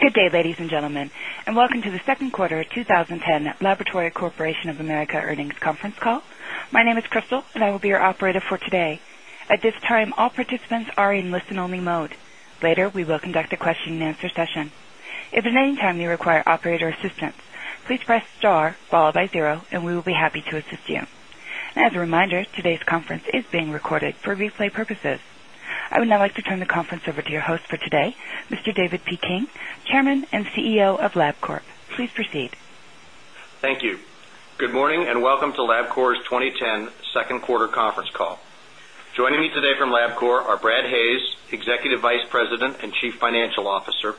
Good day, ladies and gentlemen, and welcome to the second quarter of 2010 Laboratory Corporation of America earnings conference call. My name is Crystal, and I will be your operator for today. At this time, all participants are in listen-only mode. Later, we will conduct a question and answer session. If at any time you require operator assistance, please press star followed by zero, and we will be happy to assist you. As a reminder, today's conference is being recorded for replay purposes. I would now like to turn the conference over to your host for today, Mr. David P. King, Chairman and CEO of Labcorp. Please proceed. Thank you. Good morning and welcome to Labcorp's 2010 second quarter conference call. Joining me today from Labcorp are Brad Hayes, Executive Vice President and Chief Financial Officer,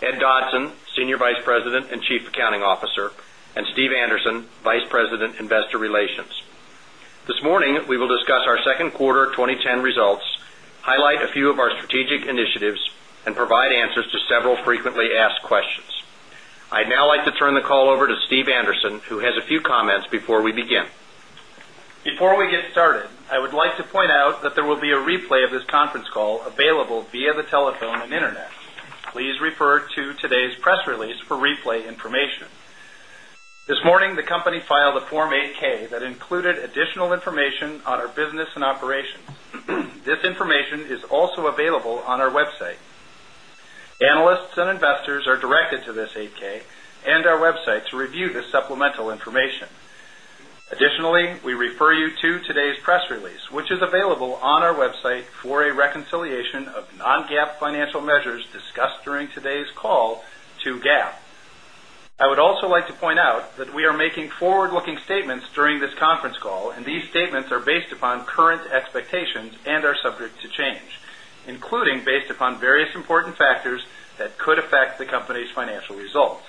Ed Dodson, Senior Vice President and Chief Accounting Officer, and Steve Anderson, Vice President, Investor Relations. This morning, we will discuss our second quarter 2010 results, highlight a few of our strategic initiatives, and provide answers to several frequently asked questions. I'd now like to turn the call over to Steve Anderson, who has a few comments before we begin. Before we get started, I would like to point out that there will be a replay of this conference call available via the telephone and internet. Please refer to today's press release for replay information. This morning, the company filed a Form 8-K that included additional information on our business and operations. This information is also available on our website. Analysts and investors are directed to this 8-K and our website to review this supplemental information. Additionally, we refer you to today's press release, which is available on our website for a reconciliation of non-GAAP financial measures discussed during today's call to GAAP. I would also like to point out that we are making forward-looking statements during this conference call, and these statements are based upon current expectations and are subject to change, including based upon various important factors that could affect the company's financial results.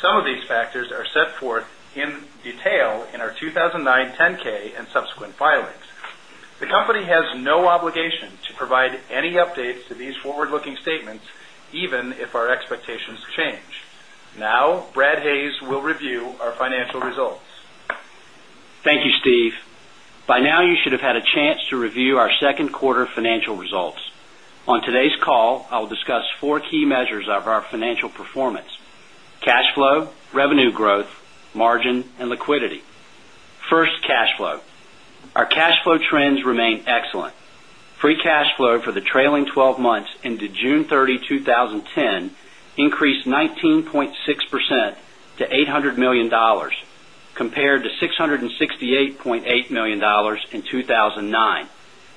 Some of these factors are set forth in detail in our 2009 10-K and subsequent filings. The company has no obligation to provide any updates to these forward-looking statements, even if our expectations change. Now, Brad Hayes will review our financial results. Thank you, Steve. By now, you should have had a chance to review our second quarter financial results. On today's call, I will discuss four key measures of our financial performance: cash flow, revenue growth, margin, and liquidity. First, cash flow. Our cash flow trends remain excellent. Free cash flow for the trailing 12 months into June 30, 2010, increased 19.6% to $800 million compared to $668.8 million in 2009,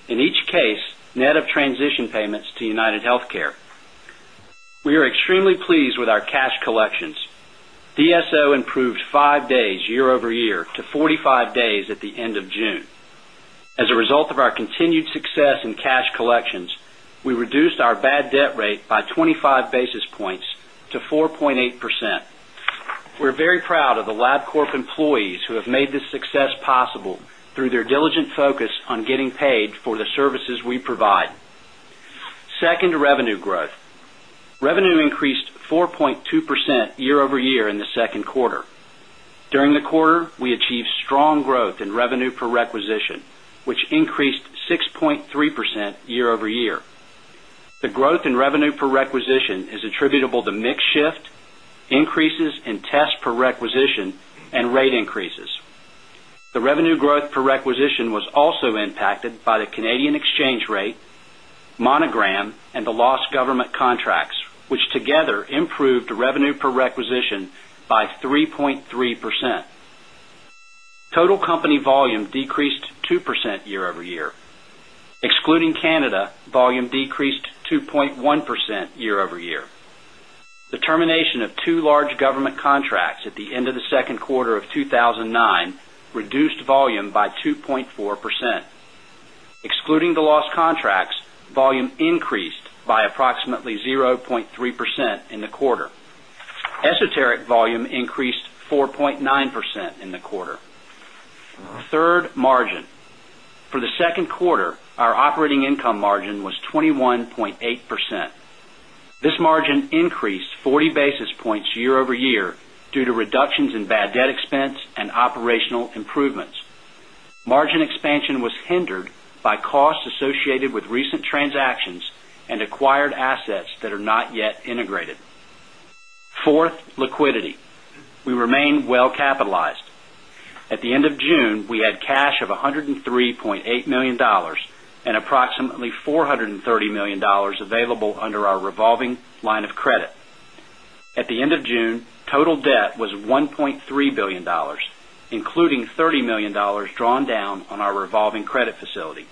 in each case net of transition payments to UnitedHealthcare. We are extremely pleased with our cash collections. DSO improved five days year-over-year to 45 days at the end of June. As a result of our continued success in cash collections, we reduced our bad debt rate by 25 basis points to 4.8%. We're very proud of the Labcorp employees who have made this success possible through their diligent focus on getting paid for the services we provide. Second, revenue growth. Revenue increased 4.2% year-over-year in the second quarter. During the quarter, we achieved strong growth in revenue per requisition, which increased 6.3% year-over-year. The growth in revenue per requisition is attributable to mix shift, increases in tests per requisition, and rate increases. The revenue growth per requisition was also impacted by the Canadian exchange rate, Monogram, and the lost government contracts, which together improved revenue per requisition by 3.3%. Total company volume decreased 2% year-over-year. Excluding Canada, volume decreased 2.1% year-over-year. The termination of two large government contracts at the end of the second quarter of 2009 reduced volume by 2.4%. Excluding the lost contracts, volume increased by approximately 0.3% in the quarter. Esoteric volume increased 4.9% in the quarter. Third, margin. For the second quarter, our operating income margin was 21.8%. This margin increased 40 basis points year-over-year due to reductions in bad debt expense and operational improvements. Margin expansion was hindered by costs associated with recent transactions and acquired assets that are not yet integrated. Fourth, liquidity. We remain well capitalized. At the end of June, we had cash of $103.8 million and approximately $430 million available under our revolving line of credit. At the end of June, total debt was $1.3 billion, including $30 million drawn down on our revolving credit facility.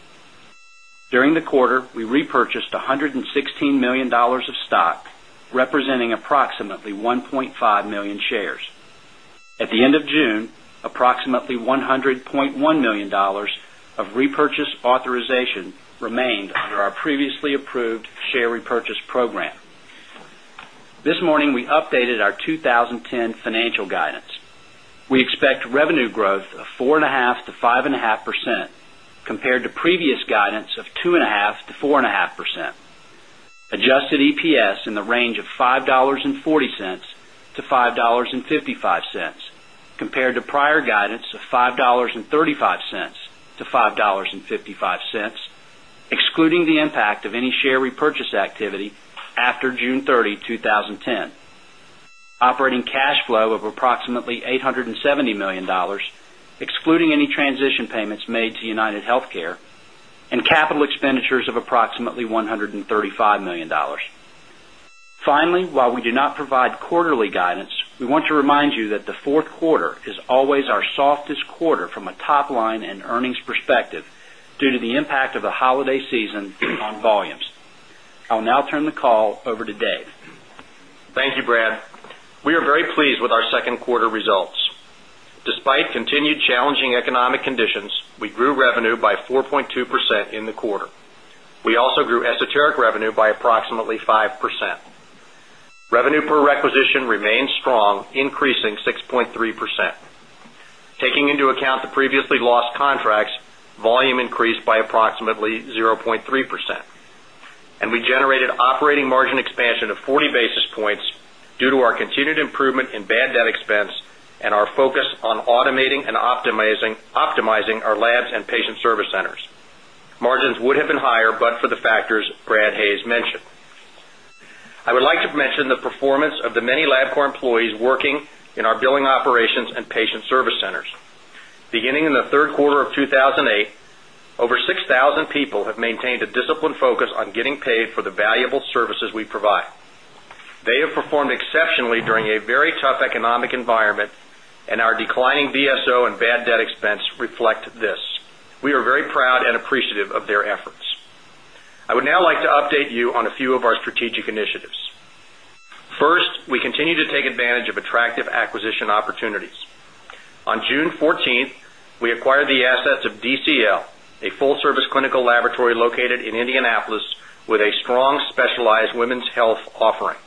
During the quarter, we repurchased $116 million of stock, representing approximately 1.5 million shares. At the end of June, approximately $100.1 million of repurchase authorization remained under our previously approved share repurchase program. This morning, we updated our 2010 financial guidance. We expect revenue growth of 4.5%-5.5% compared to previous guidance of 2.5%-4.5%. Adjusted EPS in the range of $5.40-$5.55 compared to prior guidance of $5.35-$5.55, excluding the impact of any share repurchase activity after June 30, 2010. Operating cash flow of approximately $870 million, excluding any transition payments made to UnitedHealthcare, and capital expenditures of approximately $135 million. Finally, while we do not provide quarterly guidance, we want to remind you that the fourth quarter is always our softest quarter from a top line and earnings perspective due to the impact of the holiday season on volumes. I will now turn the call over to Dave. Thank you, Brad. We are very pleased with our second quarter results. Despite continued challenging economic conditions, we grew revenue by 4.2% in the quarter. We also grew esoteric revenue by approximately 5%. Revenue per requisition remained strong, increasing 6.3%. Taking into account the previously lost contracts, volume increased by approximately 0.3%. We generated operating margin expansion of 40 basis points due to our continued improvement in bad debt expense and our focus on automating and optimizing our labs and patient service centers. Margins would have been higher, but for the factors Brad Hayes mentioned. I would like to mention the performance of the many Labcorp employees working in our billing operations and patient service centers. Beginning in the third quarter of 2008, over 6,000 people have maintained a disciplined focus on getting paid for the valuable services we provide. They have performed exceptionally during a very tough economic environment, and our declining DSO and bad debt expense reflect this. We are very proud and appreciative of their efforts. I would now like to update you on a few of our strategic initiatives. First, we continue to take advantage of attractive acquisition opportunities. On June 14th, we acquired the assets of DCL, a full-service clinical laboratory located in Indianapolis with a strong specialized women's health offering.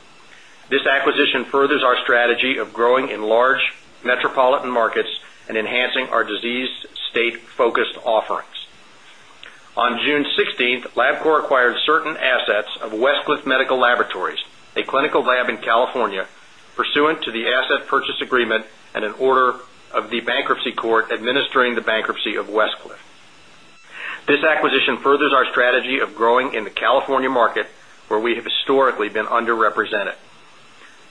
This acquisition furthers our strategy of growing in large metropolitan markets and enhancing our disease state-focused offerings. On June 16th, Labcorp acquired certain assets of Westcliff Medical Laboratories, a clinical lab in California, pursuant to the asset purchase agreement and an order of the bankruptcy court administering the bankruptcy of Westcliff. This acquisition furthers our strategy of growing in the California market, where we have historically been underrepresented.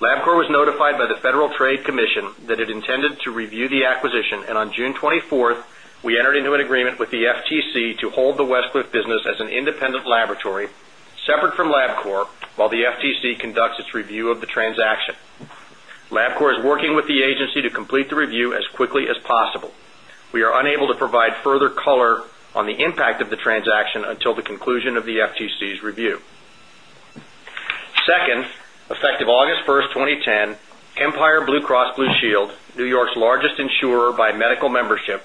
Labcorp was notified by the Federal Trade Commission that it intended to review the acquisition, and on June 24th, we entered into an agreement with the FTC to hold the Westcliff business as an independent laboratory separate from Labcorp while the FTC conducts its review of the transaction. Labcorp is working with the agency to complete the review as quickly as possible. We are unable to provide further color on the impact of the transaction until the conclusion of the FTC's review. Second, effective August 1st, 2010, Empire Blue Cross Blue Shield, New York's largest insurer by medical membership,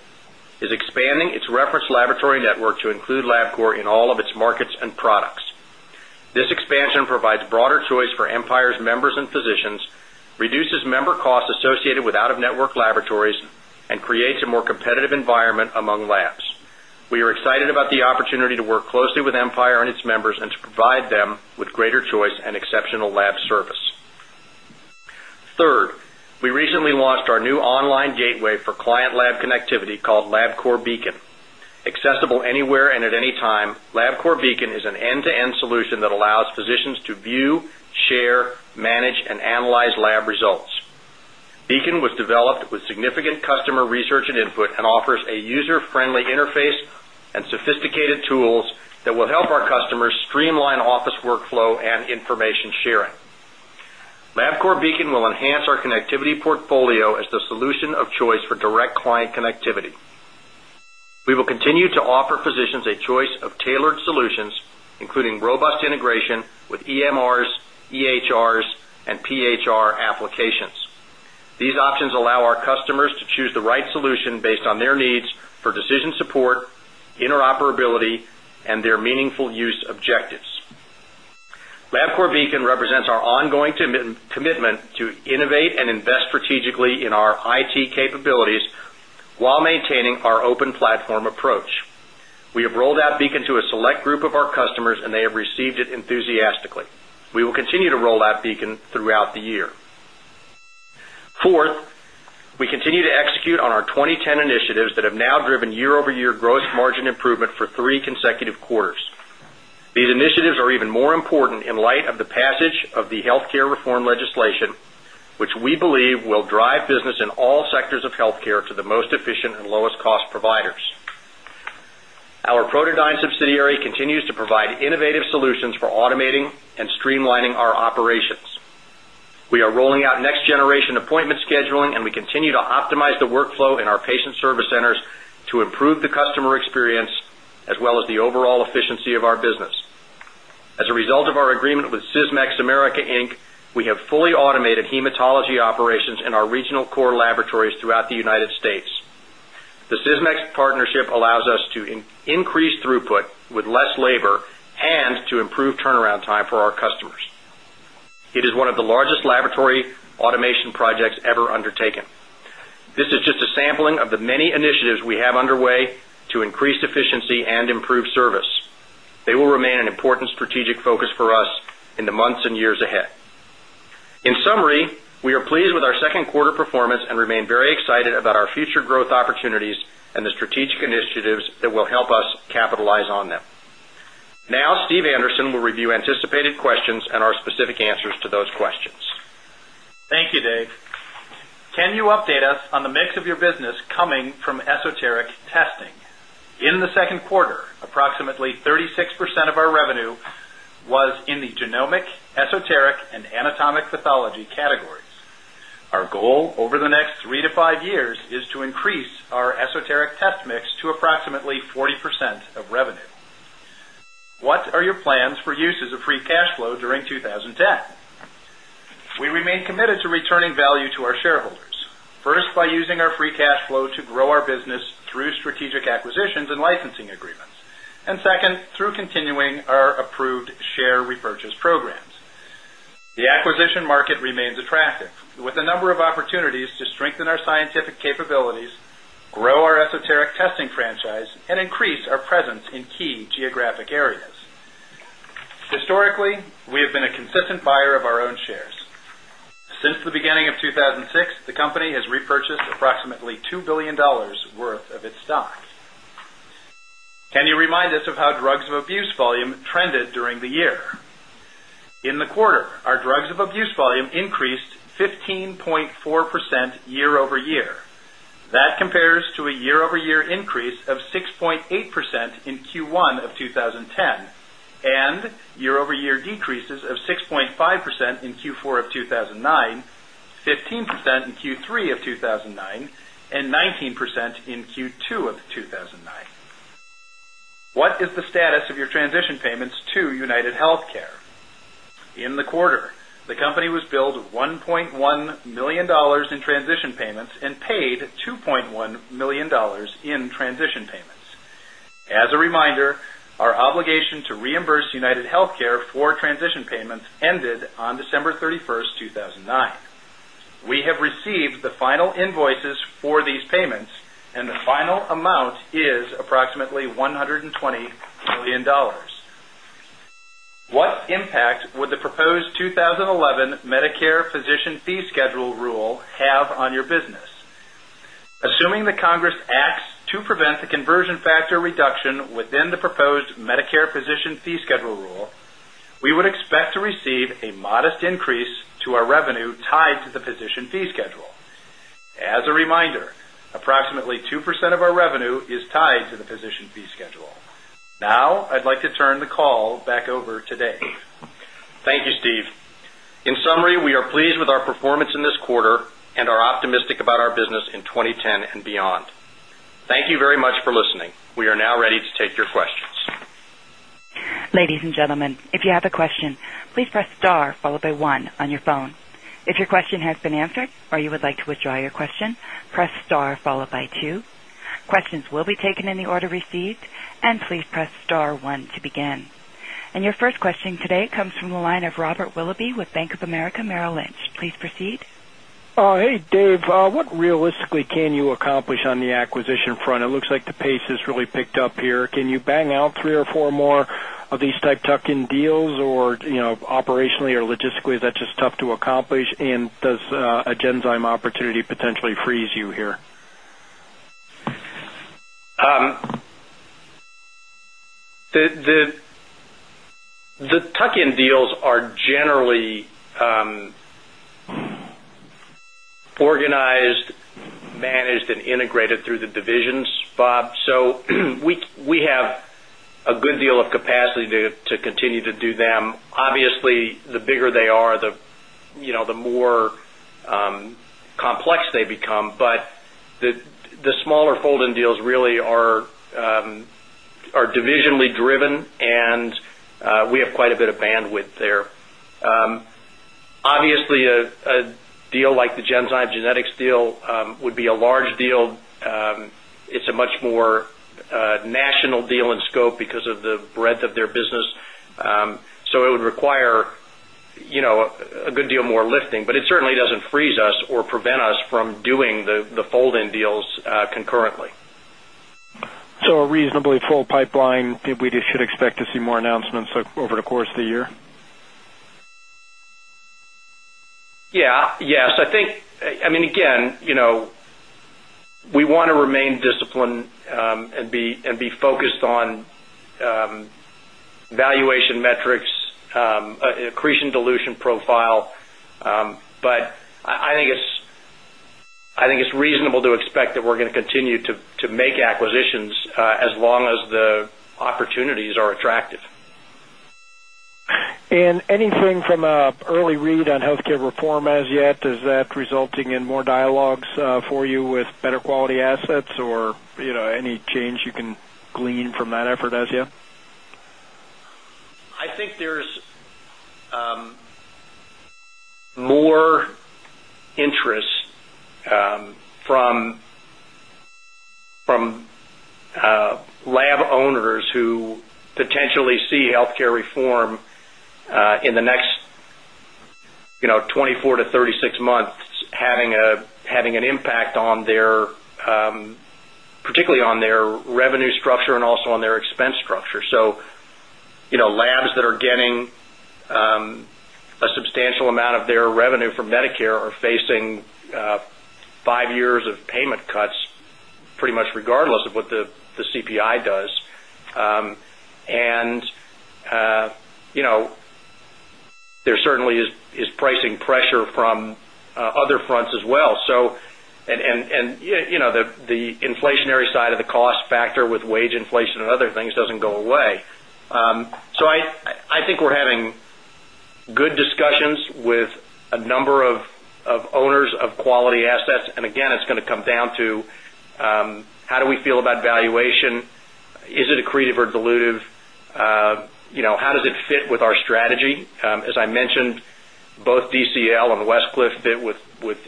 is expanding its reference laboratory network to include Labcorp in all of its markets and products. This expansion provides broader choice for Empire's members and physicians, reduces member costs associated with out-of-network laboratories, and creates a more competitive environment among labs. We are excited about the opportunity to work closely with Empire and its members and to provide them with greater choice and exceptional lab service. Third, we recently launched our new online gateway for client lab connectivity called Labcorp Beacon. Accessible anywhere and at any time, Labcorp Beacon is an end-to-end solution that allows physicians to view, share, manage, and analyze lab results. Beacon was developed with significant customer research and input and offers a user-friendly interface and sophisticated tools that will help our customers streamline office workflow and information sharing. Labcorp Beacon will enhance our connectivity portfolio as the solution of choice for direct client connectivity. We will continue to offer physicians a choice of tailored solutions, including robust integration with EMRs, EHRs, and PHR applications. These options allow our customers to choose the right solution based on their needs for decision support, interoperability, and their meaningful use objectives. Labcorp Beacon represents our ongoing commitment to innovate and invest strategically in our IT capabilities while maintaining our open platform approach. We have rolled out Beacon to a select group of our customers, and they have received it enthusiastically. We will continue to roll out Beacon throughout the year. Fourth, we continue to execute on our 2010 initiatives that have now driven year-over-year gross margin improvement for three consecutive quarters. These initiatives are even more important in light of the passage of the healthcare reform legislation, which we believe will drive business in all sectors of healthcare to the most efficient and lowest-cost providers. Our prototype subsidiary continues to provide innovative solutions for automating and streamlining our operations. We are rolling out next-generation appointment scheduling, and we continue to optimize the workflow in our patient service centers to improve the customer experience as well as the overall efficiency of our business. As a result of our agreement with Sysmex America, Inc., we have fully automated hematology operations in our regional core laboratories throughout the United States. The Sysmex partnership allows us to increase throughput with less labor and to improve turnaround time for our customers. It is one of the largest laboratory automation projects ever undertaken. This is just a sampling of the many initiatives we have underway to increase efficiency and improve service. They will remain an important strategic focus for us in the months and years ahead. In summary, we are pleased with our second quarter performance and remain very excited about our future growth opportunities and the strategic initiatives that will help us capitalize on them. Now, Steve Anderson will review anticipated questions and our specific answers to those questions. Thank you, Dave. Can you update us on the mix of your business coming from esoteric testing? In the second quarter, approximately 36% of our revenue was in the genomic, esoteric, and anatomic pathology categories. Our goal over the next three to five years is to increase our esoteric test mix to approximately 40% of revenue. What are your plans for uses of free cash flow during 2010? We remain committed to returning value to our shareholders, first by using our free cash flow to grow our business through strategic acquisitions and licensing agreements, and second, through continuing our approved share repurchase programs. The acquisition market remains attractive, with a number of opportunities to strengthen our scientific capabilities, grow our esoteric testing franchise, and increase our presence in key geographic areas. Historically, we have been a consistent buyer of our own shares. Since the beginning of 2006, the company has repurchased approximately $2 billion worth of its stock. Can you remind us of how drugs of abuse volume trended during the year? In the quarter, our drugs of abuse volume increased 15.4% year-over-year. That compares to a year-over-year increase of 6.8% in Q1 of 2010 and year-over-year decreases of 6.5% in Q4 of 2009, 15% in Q3 of 2009, and 19% in Q2 of 2009. What is the status of your transition payments to UnitedHealthcare? In the quarter, the company was billed $1.1 million in transition payments and paid $2.1 million in transition payments. As a reminder, our obligation to reimburse UnitedHealthcare for transition payments ended on December 31st, 2009. We have received the final invoices for these payments, and the final amount is approximately $120 million. What impact would the proposed 2011 Medicare Physician Fee Schedule Rule have on your business? Assuming the Congress acts to prevent the conversion factor reduction within the proposed Medicare Physician Fee Schedule Rule, we would expect to receive a modest increase to our revenue tied to the physician fee schedule. As a reminder, approximately 2% of our revenue is tied to the physician fee schedule. Now, I'd like to turn the call back over to Dave. Thank you, Steve. In summary, we are pleased with our performance in this quarter and are optimistic about our business in 2010 and beyond. Thank you very much for listening. We are now ready to take your questions. Ladies and gentlemen, if you have a question, please press star followed by one on your phone. If your question has been answered or you would like to withdraw your question, press star followed by two. Questions will be taken in the order received, and please press star one to begin. Your first question today comes from the line of Robert Willoughby with Bank of America Merrill Lynch. Please proceed. Hey, Dave. What realistically can you accomplish on the acquisition front? It looks like the pace has really picked up here. Can you bang out three or four more of these type-tucking deals or operationally or logistically? Is that just tough to accomplish? Does a Genzyme opportunity potentially freeze you here? The tuck-in deals are generally organized, managed, and integrated through the divisions, Bob. We have a good deal of capacity to continue to do them. Obviously, the bigger they are, the more complex they become. The smaller fold-in deals really are divisionally driven, and we have quite a bit of bandwidth there. A deal like the Genzyme Genetics deal would be a large deal. It is a much more national deal in scope because of the breadth of their business. It would require a good deal more lifting, but it certainly does not freeze us or prevent us from doing the fold-in deals concurrently. A reasonably full pipeline, we should expect to see more announcements over the course of the year. Yeah. Yes. I mean, again, we want to remain disciplined and be focused on valuation metrics, accretion dilution profile. I think it's reasonable to expect that we're going to continue to make acquisitions as long as the opportunities are attractive. Anything from an early read on healthcare reform as yet? Is that resulting in more dialogues for you with better quality assets or any change you can glean from that effort as yet? I think there's more interest from lab owners who potentially see healthcare reform in the next 24-36 months having an impact particularly on their revenue structure and also on their expense structure. Labs that are getting a substantial amount of their revenue from Medicare are facing five years of payment cuts pretty much regardless of what the CPI does. There certainly is pricing pressure from other fronts as well. The inflationary side of the cost factor with wage inflation and other things does not go away. I think we're having good discussions with a number of owners of quality assets. Again, it's going to come down to how do we feel about valuation? Is it accretive or dilutive? How does it fit with our strategy? As I mentioned, both DCL and Westcliff fit with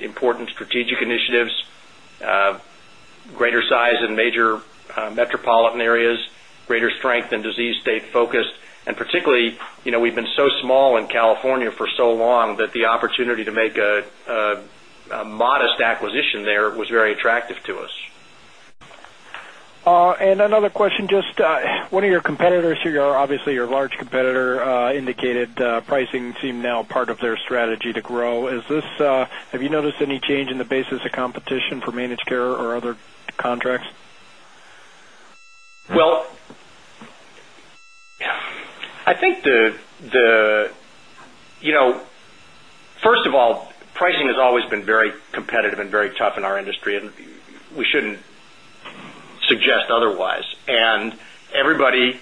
important strategic initiatives, greater size in major metropolitan areas, greater strength in disease state focus. Particularly, we've been so small in California for so long that the opportunity to make a modest acquisition there was very attractive to us. Another question. Just one of your competitors here, obviously your large competitor, indicated pricing seemed now part of their strategy to grow. Have you noticed any change in the basis of competition for managed care or other contracts? I think first of all, pricing has always been very competitive and very tough in our industry, and we shouldn't suggest otherwise. Everybody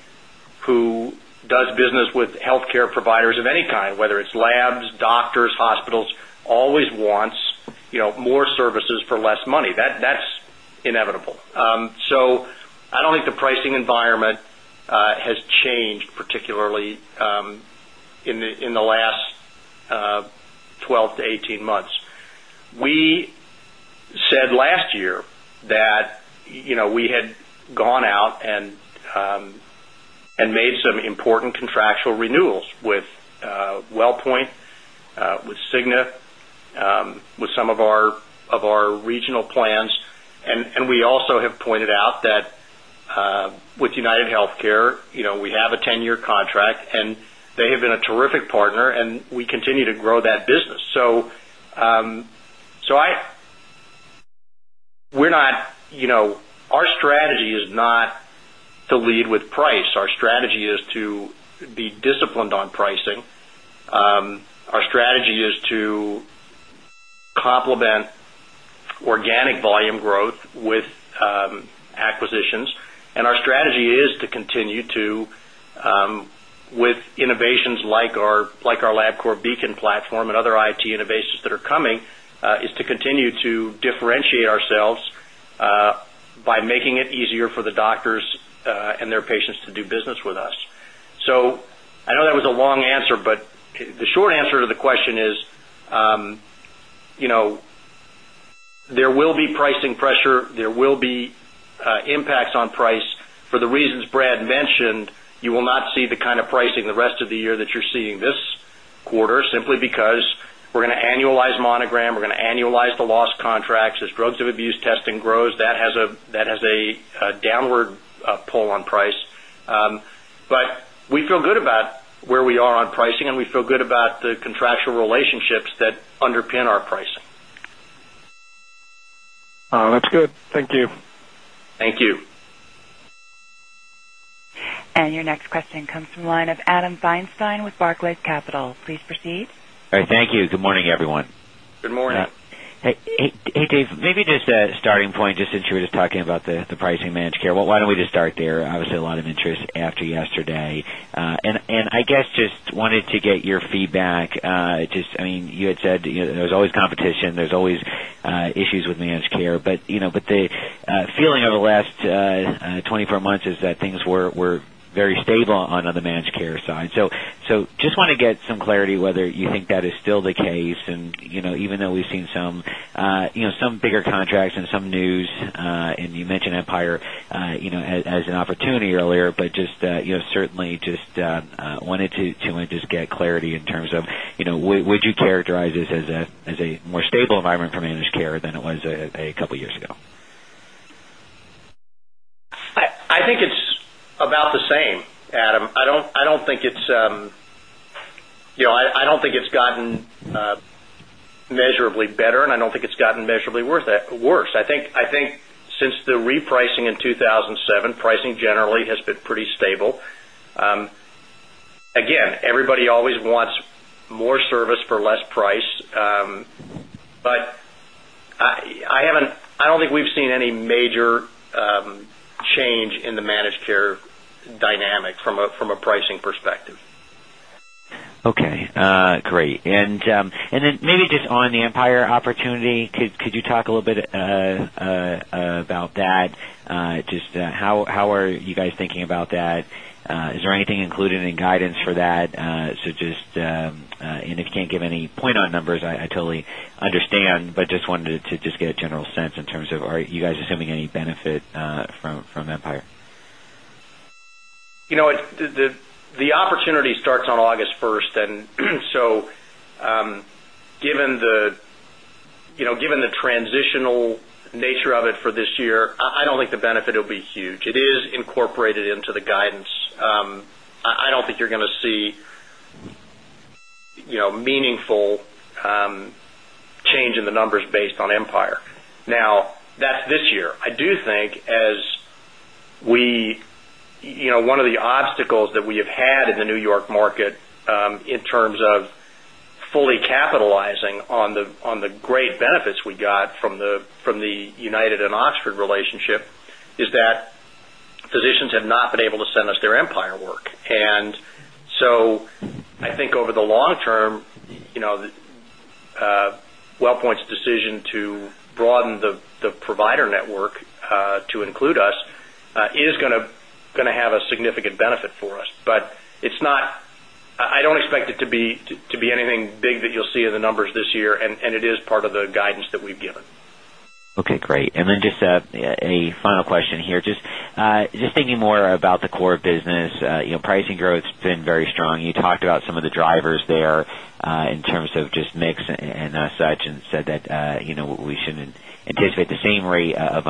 who does business with healthcare providers of any kind, whether it's labs, doctors, hospitals, always wants more services for less money. That's inevitable. I don't think the pricing environment has changed particularly in the last 12-18 months. We said last year that we had gone out and made some important contractual renewals with WellPoint, with Cigna, with some of our regional plans. We also have pointed out that with UnitedHealthcare, we have a 10-year contract, and they have been a terrific partner, and we continue to grow that business. Our strategy is not to lead with price. Our strategy is to be disciplined on pricing. Our strategy is to complement organic volume growth with acquisitions. Our strategy is to continue to, with innovations like our Labcorp Beacon platform and other IT innovations that are coming, continue to differentiate ourselves by making it easier for the doctors and their patients to do business with us. I know that was a long answer, but the short answer to the question is there will be pricing pressure. There will be impacts on price. For the reasons Brad mentioned, you will not see the kind of pricing the rest of the year that you're seeing this quarter simply because we're going to annualize monogram. We're going to annualize the lost contracts. As drugs of abuse testing grows, that has a downward pull on price. We feel good about where we are on pricing, and we feel good about the contractual relationships that underpin our pricing. That's good. Thank you. Thank you. Your next question comes from the line of Adam Feinstein with Barclays Capital. Please proceed. All right. Thank you. Good morning, everyone. Good morning. Hey, Dave. Maybe just a starting point just since you were just talking about the pricing managed care. Why don't we just start there? Obviously, a lot of interest after yesterday. I guess just wanted to get your feedback. I mean, you had said there was always competition. There's always issues with managed care. The feeling over the last 24 months is that things were very stable on the managed care side. Just want to get some clarity whether you think that is still the case. Even though we've seen some bigger contracts and some news, and you mentioned Empire as an opportunity earlier, just certainly just wanted to get clarity in terms of would you characterize this as a more stable environment for managed care than it was a couple of years ago? I think it's about the same, Adam. I don't think it's gotten measurably better, and I don't think it's gotten measurably worse. I think since the repricing in 2007, pricing generally has been pretty stable. Again, everybody always wants more service for less price. I don't think we've seen any major change in the managed care dynamic from a pricing perspective. Okay. Great. Maybe just on the Empire opportunity, could you talk a little bit about that? Just how are you guys thinking about that? Is there anything included in guidance for that? If you cannot give any point on numbers, I totally understand, but just wanted to just get a general sense in terms of are you guys assuming any benefit from Empire? The opportunity starts on August 1st. Given the transitional nature of it for this year, I do not think the benefit will be huge. It is incorporated into the guidance. I do not think you are going to see meaningful change in the numbers based on Empire. Now, that is this year. I do think as we, one of the obstacles that we have had in the New York market in terms of fully capitalizing on the great benefits we got from the United and Oxford relationship is that physicians have not been able to send us their Empire work. I think over the long term, WellPoint's decision to broaden the provider network to include us is going to have a significant benefit for us. I don't expect it to be anything big that you'll see in the numbers this year, and it is part of the guidance that we've given. Okay. Great. And then just a final question here. Just thinking more about the core business, pricing growth has been very strong. You talked about some of the drivers there in terms of just mix and such, and said that we should not anticipate the same rate of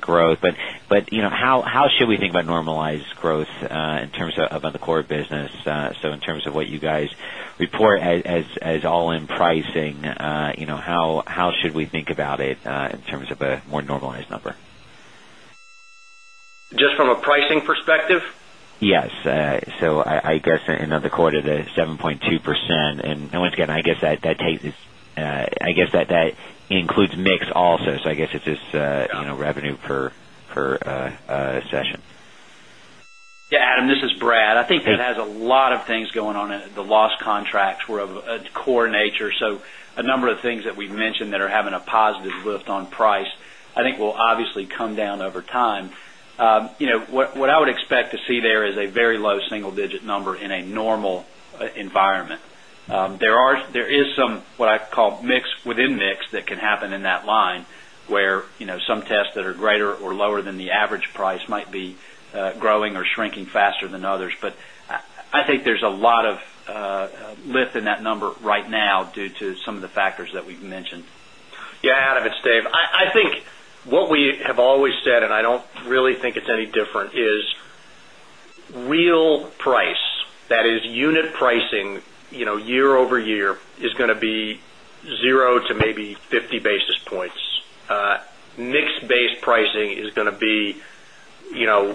growth. How should we think about normalized growth in terms of the core business? In terms of what you guys report as all-in pricing, how should we think about it in terms of a more normalized number? Just from a pricing perspective? Yes. I guess in the quarter, the 7.2%. Once again, I guess that includes mix also. I guess it is just revenue per session. Yeah. Adam, this is Brad. I think that has a lot of things going on. The lost contracts were of a core nature. So a number of things that we've mentioned that are having a positive lift on price, I think will obviously come down over time. What I would expect to see there is a very low single-digit number in a normal environment. There is some what I call mix within mix that can happen in that line where some tests that are greater or lower than the average price might be growing or shrinking faster than others. But I think there's a lot of lift in that number right now due to some of the factors that we've mentioned. Yeah. Adam it's Steve, I think what we have always said, and I do not really think it is any different, is real price, that is unit pricing year-over-year is going to be 0 to maybe 50 basis points. Mixed-based pricing is going to be 1%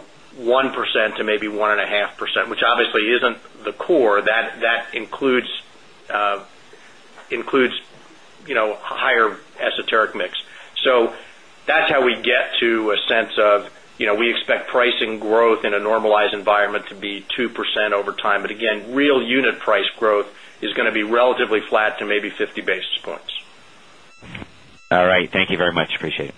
to maybe 1.5%, which obviously is not the core. That includes higher esoteric mix. That is how we get to a sense of we expect pricing growth in a normalized environment to be 2% over time. Again, real unit price growth is going to be relatively flat to maybe 50 basis points. All right. Thank you very much. Appreciate it.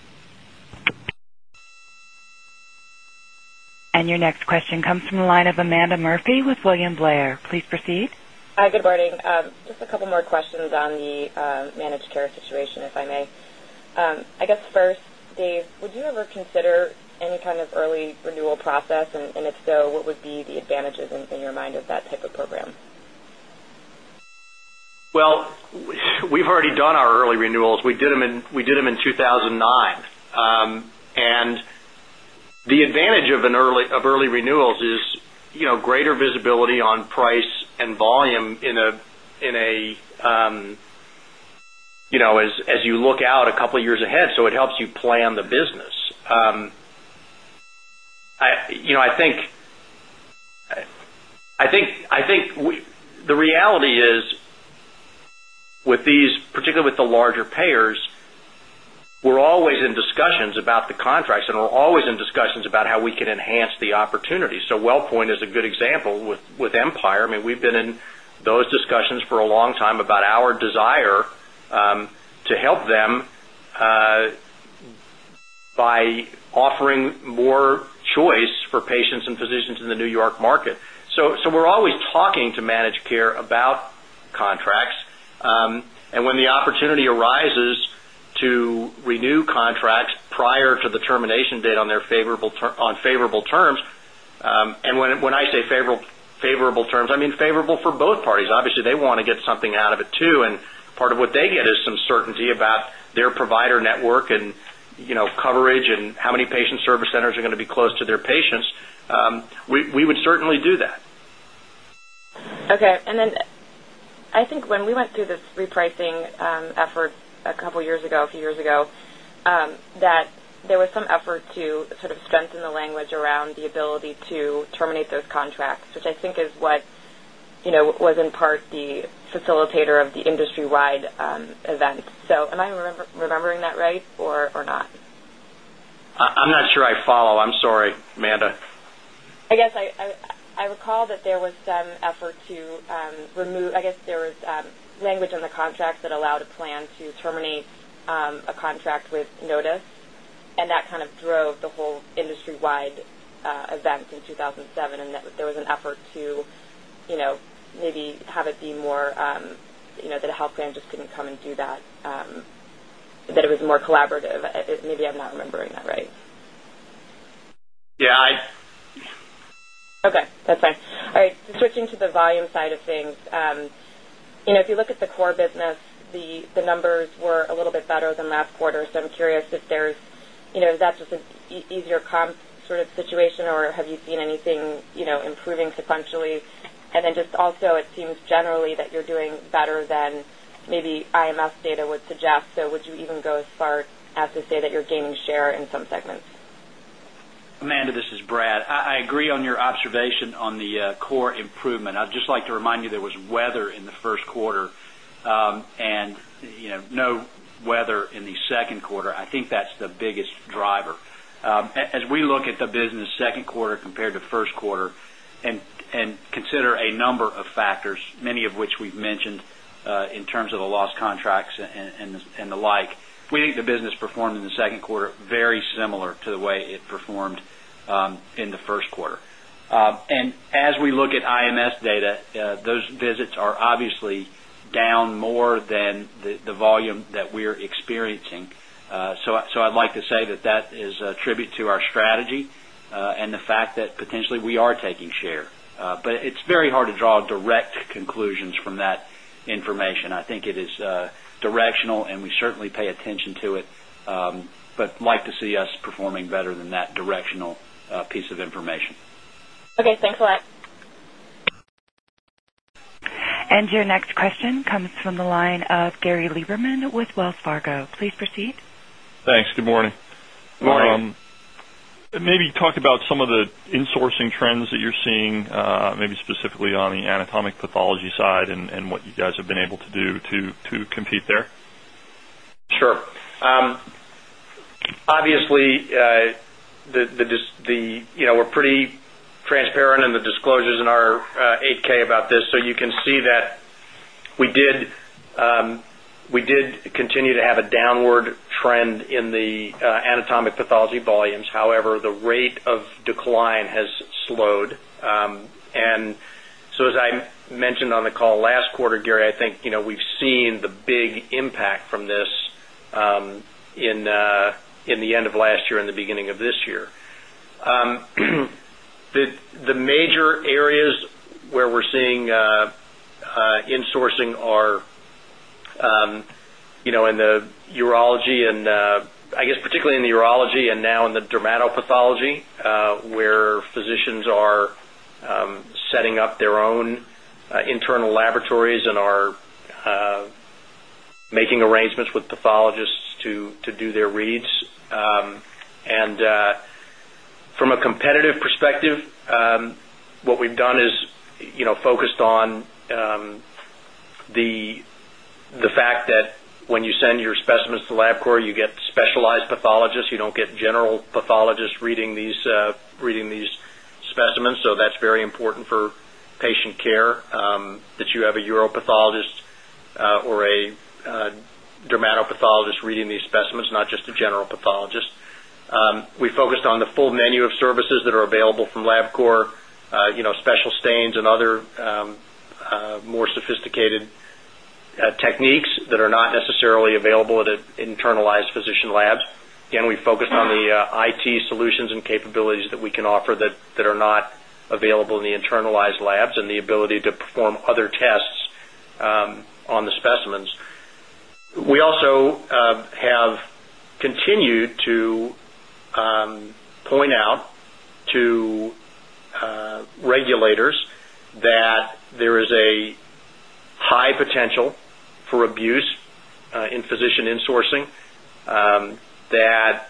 Your next question comes from the line of Amanda Murphy with William Blair. Please proceed. Hi. Good morning. Just a couple more questions on the managed care situation, if I may. I guess first, Dave, would you ever consider any kind of early renewal process? If so, what would be the advantages in your mind of that type of program? We've already done our early renewals. We did them in 2009. The advantage of early renewals is greater visibility on price and volume as you look out a couple of years ahead. It helps you plan the business. I think the reality is, particularly with the larger payers, we're always in discussions about the contracts, and we're always in discussions about how we can enhance the opportunity. WellPoint is a good example with Empire. I mean, we've been in those discussions for a long time about our desire to help them by offering more choice for patients and physicians in the New York market. We're always talking to managed care about contracts. When the opportunity arises to renew contracts prior to the termination date on favorable terms—and when I say favorable terms, I mean favorable for both parties. Obviously, they want to get something out of it too. Part of what they get is some certainty about their provider network and coverage and how many patient service centers are going to be close to their patients. We would certainly do that. Okay. I think when we went through this repricing effort a couple of years ago, a few years ago, that there was some effort to sort of strengthen the language around the ability to terminate those contracts, which I think is what was in part the facilitator of the industry-wide event. Am I remembering that right or not? I'm not sure I follow. I'm sorry, Amanda. I guess I recall that there was some effort to remove—I guess there was language in the contract that allowed a plan to terminate a contract with notice. That kind of drove the whole industry-wide event in 2007. There was an effort to maybe have it be more that a health plan just could not come and do that, that it was more collaborative. Maybe I am not remembering that right. Yeah. Okay. That's fine. All right. Switching to the volume side of things, if you look at the core business, the numbers were a little bit better than last quarter. I'm curious if there's—is that just an easier sort of situation, or have you seen anything improving sequentially? Also, it seems generally that you're doing better than maybe IMS data would suggest. Would you even go as far as to say that you're gaining share in some segments? Amanda, this is Brad. I agree on your observation on the core improvement. I'd just like to remind you there was weather in the first quarter and no weather in the second quarter. I think that's the biggest driver. As we look at the business second quarter compared to first quarter and consider a number of factors, many of which we've mentioned in terms of the lost contracts and the like, we think the business performed in the second quarter very similar to the way it performed in the first quarter. As we look at IMS data, those visits are obviously down more than the volume that we're experiencing. I'd like to say that that is a tribute to our strategy and the fact that potentially we are taking share. It is very hard to draw direct conclusions from that information. I think it is directional, and we certainly pay attention to it, but like to see us performing better than that directional piece of information. Okay. Thanks a lot. Your next question comes from the line of Gary Lieberman with Wells Fargo. Please proceed. Thanks. Good morning. Good morning. Maybe talk about some of the insourcing trends that you're seeing, maybe specifically on the anatomic pathology side and what you guys have been able to do to compete there. Sure. Obviously, we're pretty transparent in the disclosures in our 8-K about this. You can see that we did continue to have a downward trend in the anatomic pathology volumes. However, the rate of decline has slowed. As I mentioned on the call last quarter, Gary, I think we've seen the big impact from this in the end of last year and the beginning of this year. The major areas where we're seeing insourcing are in the urology and, I guess, particularly in the urology and now in the dermatopathology where physicians are setting up their own internal laboratories and are making arrangements with pathologists to do their reads. From a competitive perspective, what we've done is focused on the fact that when you send your specimens to Labcorp, you get specialized pathologists. You don't get general pathologists reading these specimens. That's very important for patient care that you have a uropathologist or a dermatopathologist reading these specimens, not just a general pathologist. We focused on the full menu of services that are available from Labcorp, special stains and other more sophisticated techniques that are not necessarily available at internalized physician labs. Again, we focused on the IT solutions and capabilities that we can offer that are not available in the internalized labs and the ability to perform other tests on the specimens. We also have continued to point out to regulators that there is a high potential for abuse in physician insourcing, that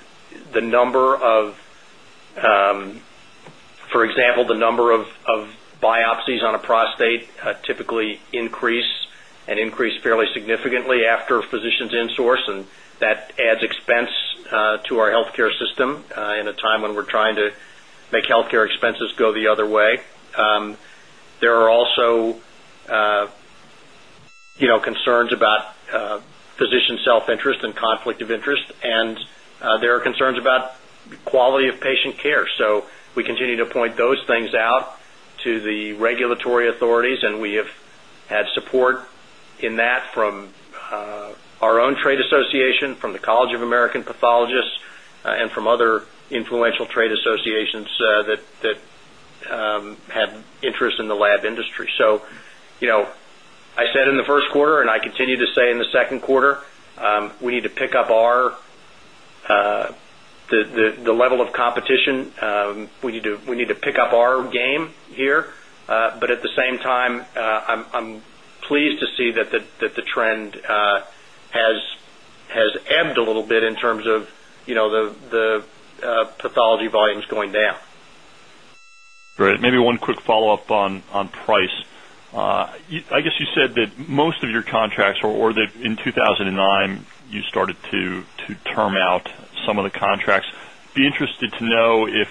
the number of, for example, the number of biopsies on a prostate typically increase and increase fairly significantly after physicians insource. That adds expense to our healthcare system in a time when we're trying to make healthcare expenses go the other way. There are also concerns about physician self-interest and conflict of interest. There are concerns about quality of patient care. We continue to point those things out to the regulatory authorities. We have had support in that from our own trade association, from the College of American Pathologists, and from other influential trade associations that have interest in the lab industry. I said in the first quarter, and I continue to say in the second quarter, we need to pick up the level of competition. We need to pick up our game here. At the same time, I'm pleased to see that the trend has ebbed a little bit in terms of the pathology volumes going down. Great. Maybe one quick follow-up on price. I guess you said that most of your contracts or that in 2009, you started to term out some of the contracts. Be interested to know if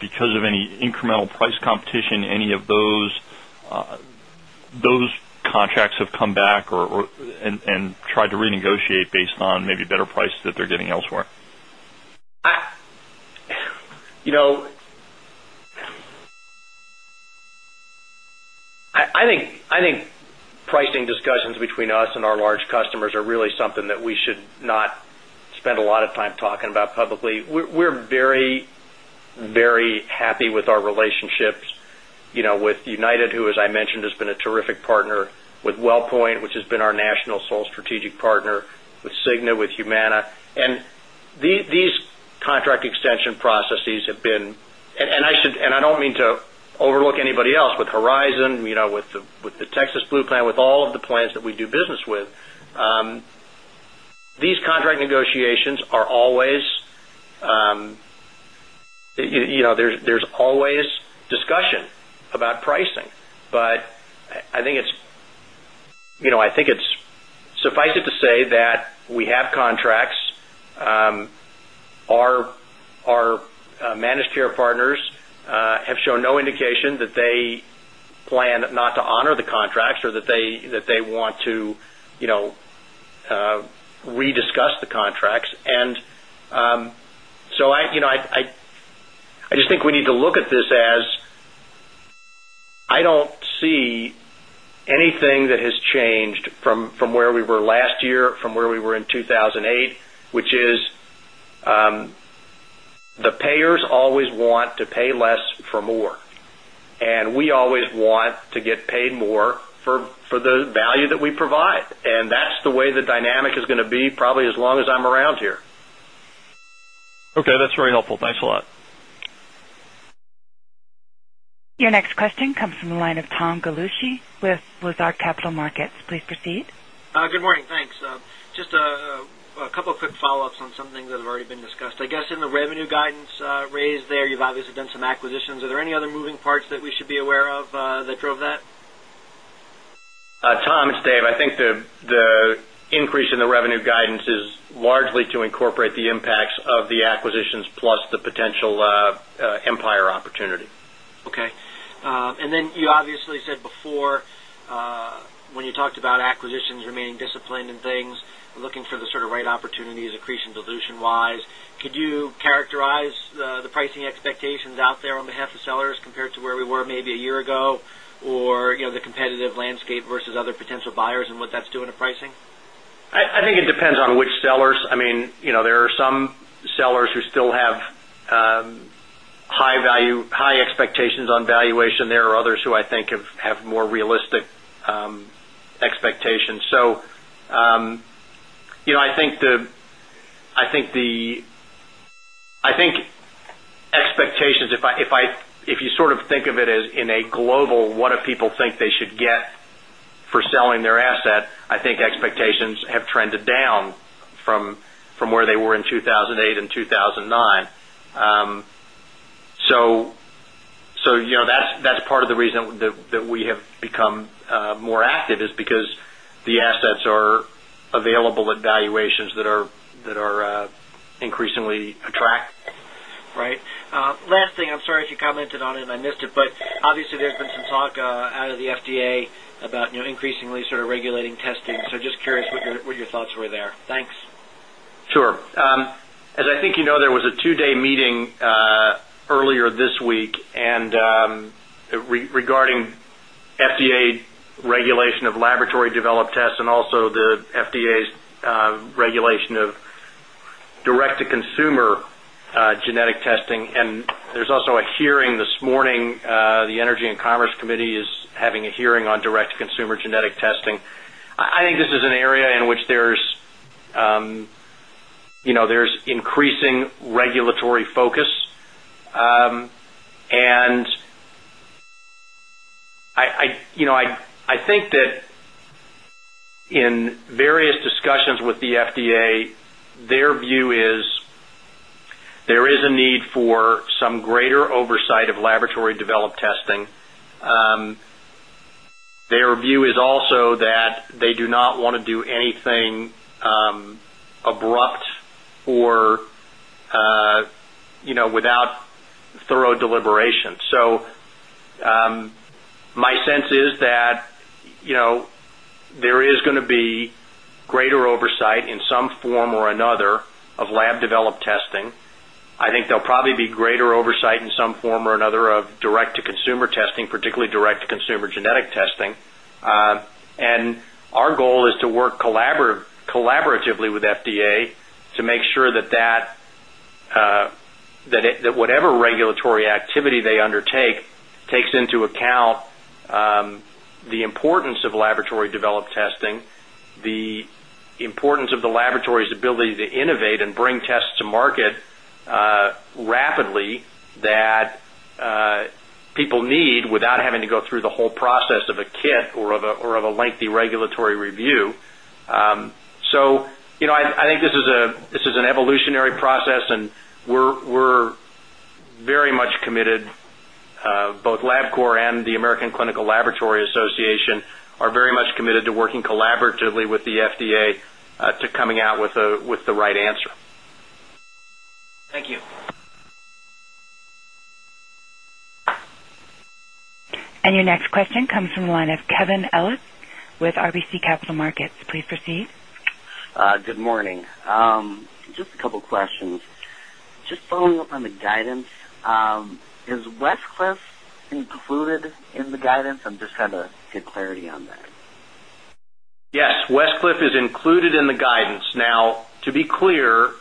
because of any incremental price competition, any of those contracts have come back and tried to renegotiate based on maybe better prices that they're getting elsewhere. I think pricing discussions between us and our large customers are really something that we should not spend a lot of time talking about publicly. We're very, very happy with our relationships with United, who, as I mentioned, has been a terrific partner, with WellPoint, which has been our national sole strategic partner, with Cigna, with Humana. These contract extension processes have been—and I do not mean to overlook anybody else—with Horizon, with the Texas Blue Plan, with all of the plans that we do business with. These contract negotiations are always—there is always discussion about pricing. I think it is suffice it to say that we have contracts. Our managed care partners have shown no indication that they plan not to honor the contracts or that they want to rediscuss the contracts. I just think we need to look at this as I don't see anything that has changed from where we were last year, from where we were in 2008, which is the payers always want to pay less for more. We always want to get paid more for the value that we provide. That's the way the dynamic is going to be probably as long as I'm around here. Okay. That's very helpful. Thanks a lot. Your next question comes from the line of Tom Gallucci with Lazard Capital Markets. Please proceed. Good morning. Thanks. Just a couple of quick follow-ups on some things that have already been discussed. I guess in the revenue guidance raised there, you've obviously done some acquisitions. Are there any other moving parts that we should be aware of that drove that? Tom, it's Dave. I think the increase in the revenue guidance is largely to incorporate the impacts of the acquisitions plus the potential Empire opportunity. Okay. You obviously said before when you talked about acquisitions remaining disciplined and things, looking for the sort of right opportunities, accretion, dilution-wise. Could you characterize the pricing expectations out there on behalf of sellers compared to where we were maybe a year ago or the competitive landscape versus other potential buyers and what that's doing to pricing? I think it depends on which sellers. I mean, there are some sellers who still have high expectations on valuation. There are others who I think have more realistic expectations. I think expectations, if you sort of think of it as in a global, what do people think they should get for selling their asset, I think expectations have trended down from where they were in 2008 and 2009. That is part of the reason that we have become more active is because the assets are available at valuations that are increasingly attractive. Right. Last thing. I'm sorry if you commented on it and I missed it. Obviously, there's been some talk out of the FDA about increasingly sort of regulating testing. Just curious what your thoughts were there. Thanks. Sure. As I think you know, there was a two-day meeting earlier this week regarding FDA regulation of laboratory-developed tests and also the FDA's regulation of direct-to-consumer genetic testing. There is also a hearing this morning. The Energy and Commerce Committee is having a hearing on direct-to-consumer genetic testing. I think this is an area in which there is increasing regulatory focus. I think that in various discussions with the FDA, their view is there is a need for some greater oversight of laboratory-developed testing. Their view is also that they do not want to do anything abrupt or without thorough deliberation. My sense is that there is going to be greater oversight in some form or another of lab-developed testing. I think there will probably be greater oversight in some form or another of direct-to-consumer testing, particularly direct-to-consumer genetic testing. Our goal is to work collaboratively with the FDA to make sure that whatever regulatory activity they undertake takes into account the importance of laboratory-developed testing, the importance of the laboratory's ability to innovate and bring tests to market rapidly that people need without having to go through the whole process of a kit or of a lengthy regulatory review. I think this is an evolutionary process. We are very much committed. Both Labcorp and the American Clinical Laboratory Association are very much committed to working collaboratively with the FDA to coming out with the right answer. Thank you. Your next question comes from the line of Kevin Ellis with RBC Capital Markets. Please proceed. Good morning. Just a couple of questions. Just following up on the guidance, is Westcliff included in the guidance? I'm just trying to get clarity on that. Yes. Westcliff is included in the guidance. Now, to be clear,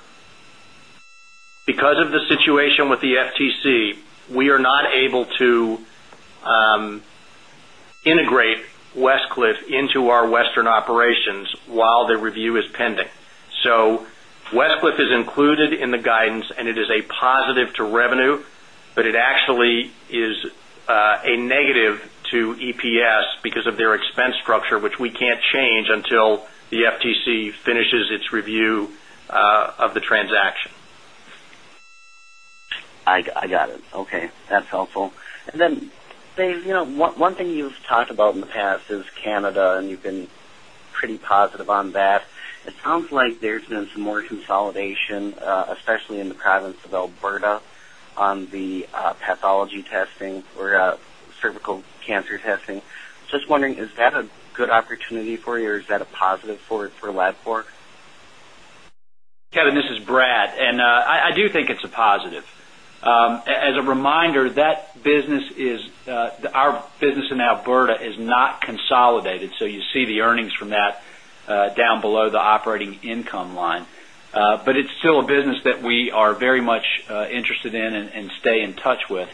because of the situation with the FTC, we are not able to integrate Westcliff into our western operations while the review is pending. Westcliff is included in the guidance, and it is a positive to revenue, but it actually is a negative to EPS because of their expense structure, which we can't change until the FTC finishes its review of the transaction. I got it. Okay. That's helpful. Dave, one thing you've talked about in the past is Canada, and you've been pretty positive on that. It sounds like there's been some more consolidation, especially in the province of Alberta, on the pathology testing or cervical cancer testing. Just wondering, is that a good opportunity for you, or is that a positive for Labcorp? Kevin, this is Brad. I do think it's a positive. As a reminder, our business in Alberta is not consolidated. You see the earnings from that down below the operating income line. It is still a business that we are very much interested in and stay in touch with.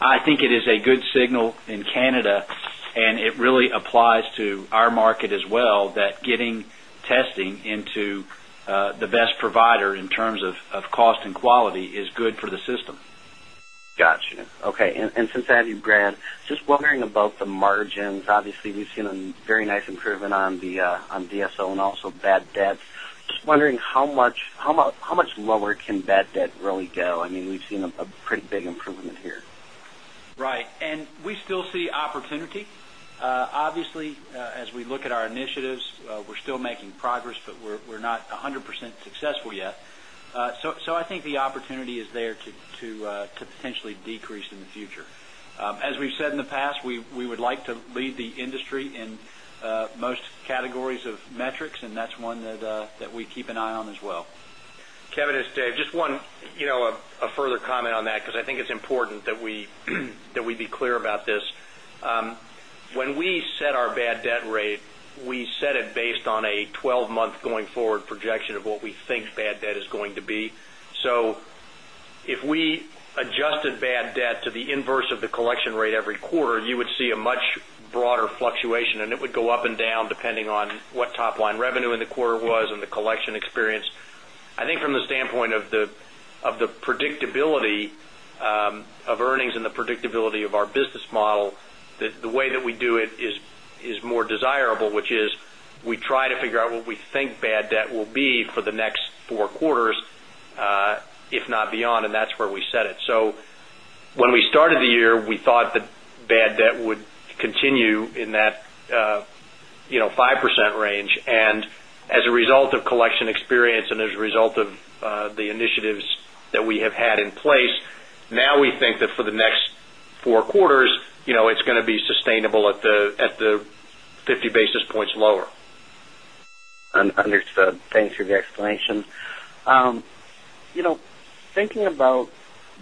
I think it is a good signal in Canada, and it really applies to our market as well that getting testing into the best provider in terms of cost and quality is good for the system. Gotcha. Okay. And since I have you, Brad, just wondering about the margins. Obviously, we've seen a very nice improvement on the DSO and also bad debt. Just wondering how much lower can bad debt really go? I mean, we've seen a pretty big improvement here. Right. We still see opportunity. Obviously, as we look at our initiatives, we're still making progress, but we're not 100% successful yet. I think the opportunity is there to potentially decrease in the future. As we've said in the past, we would like to lead the industry in most categories of metrics, and that's one that we keep an eye on as well. Kevin, it's Dave. Just one further comment on that because I think it's important that we be clear about this. When we set our bad debt rate, we set it based on a 12-month going forward projection of what we think bad debt is going to be. If we adjusted bad debt to the inverse of the collection rate every quarter, you would see a much broader fluctuation. It would go up and down depending on what top-line revenue in the quarter was and the collection experience. I think from the standpoint of the predictability of earnings and the predictability of our business model, the way that we do it is more desirable, which is we try to figure out what we think bad debt will be for the next four quarters, if not beyond, and that's where we set it. When we started the year, we thought that bad debt would continue in that 5% range. As a result of collection experience and as a result of the initiatives that we have had in place, now we think that for the next four quarters, it is going to be sustainable at the 50 basis points lower. Understood. Thanks for the explanation. Thinking about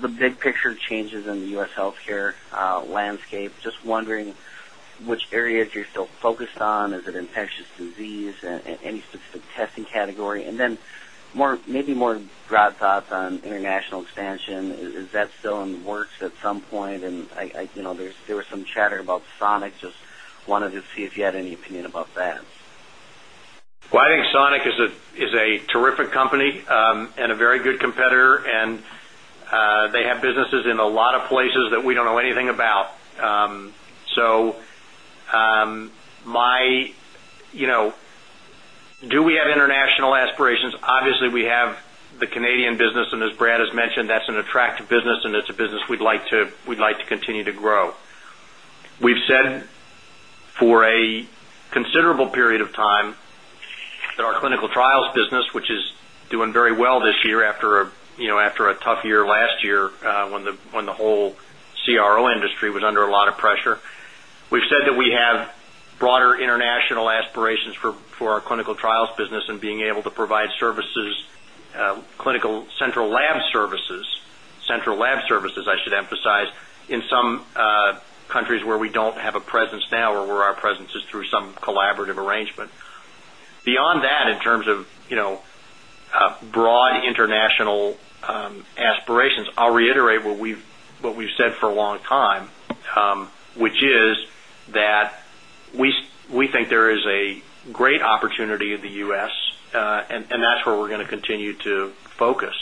the big picture changes in the U.S. healthcare landscape, just wondering which areas you're still focused on. Is it infectious disease? Any specific testing category? Maybe more broad thoughts on international expansion. Is that still in the works at some point? There was some chatter about Sonic. Just wanted to see if you had any opinion about that. I think Sonic is a terrific company and a very good competitor. They have businesses in a lot of places that we do not know anything about. Do we have international aspirations? Obviously, we have the Canadian business. As Brad has mentioned, that is an attractive business, and it is a business we would like to continue to grow. We have said for a considerable period of time that our clinical trials business, which is doing very well this year after a tough year last year when the whole CRO industry was under a lot of pressure, we have said that we have broader international aspirations for our clinical trials business and being able to provide services, clinical central lab services, central lab services, I should emphasize, in some countries where we do not have a presence now or where our presence is through some collaborative arrangement. Beyond that, in terms of broad international aspirations, I'll reiterate what we've said for a long time, which is that we think there is a great opportunity in the U.S., and that's where we're going to continue to focus.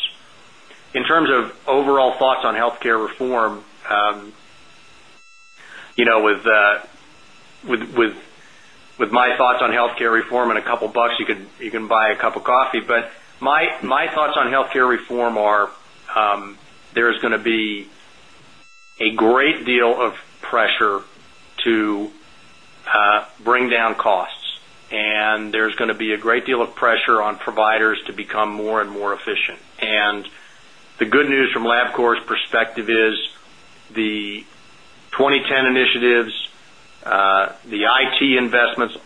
In terms of overall thoughts on healthcare reform, with my thoughts on healthcare reform and a couple of bucks, you can buy a cup of coffee. My thoughts on healthcare reform are there is going to be a great deal of pressure to bring down costs. There's going to be a great deal of pressure on providers to become more and more efficient. The good news from Labcorp's perspective is the 2010 initiatives, the IT investments,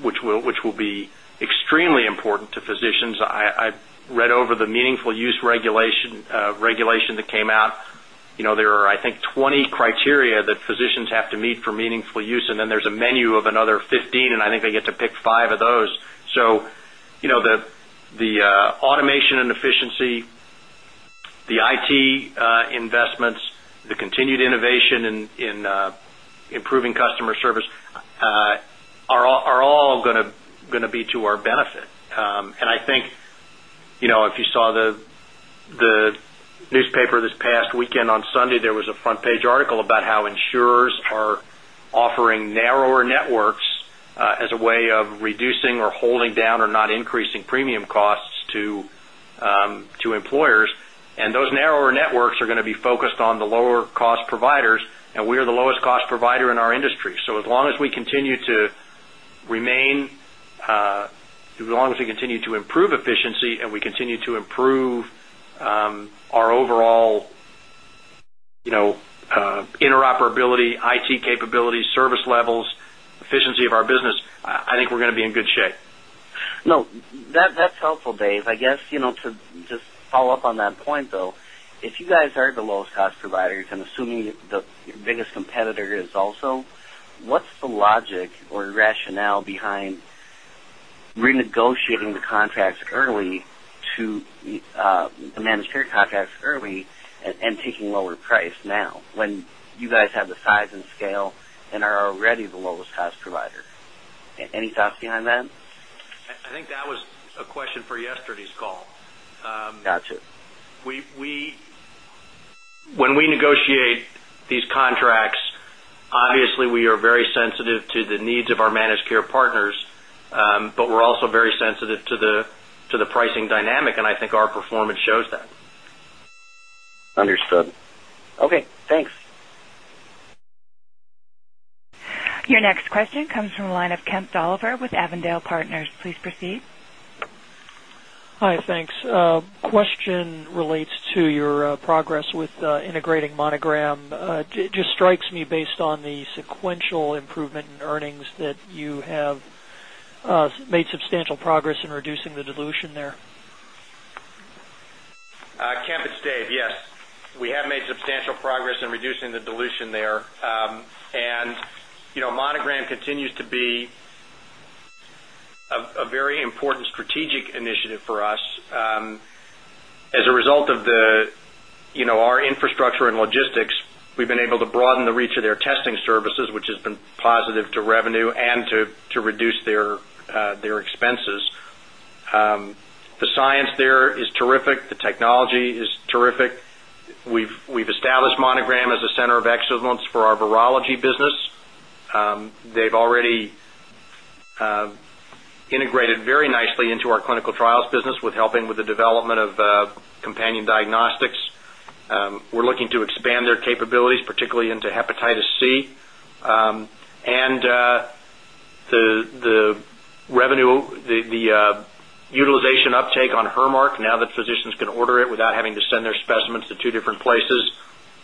which will be extremely important to physicians. I read over the meaningful use regulation that came out. There are, I think, 20 criteria that physicians have to meet for meaningful use. There is a menu of another 15, and I think they get to pick five of those. The automation and efficiency, the IT investments, the continued innovation in improving customer service are all going to be to our benefit. I think if you saw the newspaper this past weekend on Sunday, there was a front-page article about how insurers are offering narrower networks as a way of reducing or holding down or not increasing premium costs to employers. Those narrower networks are going to be focused on the lower-cost providers. We are the lowest-cost provider in our industry. As long as we continue to remain, as long as we continue to improve efficiency and we continue to improve our overall interoperability, IT capabilities, service levels, efficiency of our business, I think we are going to be in good shape. No, that's helpful, Dave. I guess to just follow up on that point, though, if you guys are the lowest-cost providers and assuming that your biggest competitor is also, what's the logic or rationale behind renegotiating the contracts early to manage their contracts early and taking lower price now when you guys have the size and scale and are already the lowest-cost provider? Any thoughts behind that? I think that was a question for yesterday's call. Gotcha. When we negotiate these contracts, obviously, we are very sensitive to the needs of our managed care partners, but we're also very sensitive to the pricing dynamic. I think our performance shows that. Understood. Okay. Thanks. Your next question comes from the line of Kent Dollverwith Avondale Partners. Please proceed. Hi. Thanks. Question relates to your progress with integrating Monogram. It just strikes me based on the sequential improvement in earnings that you have made substantial progress in reducing the dilution there. Kent, it's Dave. Yes. We have made substantial progress in reducing the dilution there. And Monogram continues to be a very important strategic initiative for us. As a result of our infrastructure and logistics, we've been able to broaden the reach of their testing services, which has been positive to revenue and to reduce their expenses. The science there is terrific. The technology is terrific. We've established Monogram as a center of excellence for our virology business. They've already integrated very nicely into our clinical trials business with helping with the development of companion diagnostics. We're looking to expand their capabilities, particularly into hepatitis C. The revenue, the utilization uptake on HerMark, now that physicians can order it without having to send their specimens to two different places,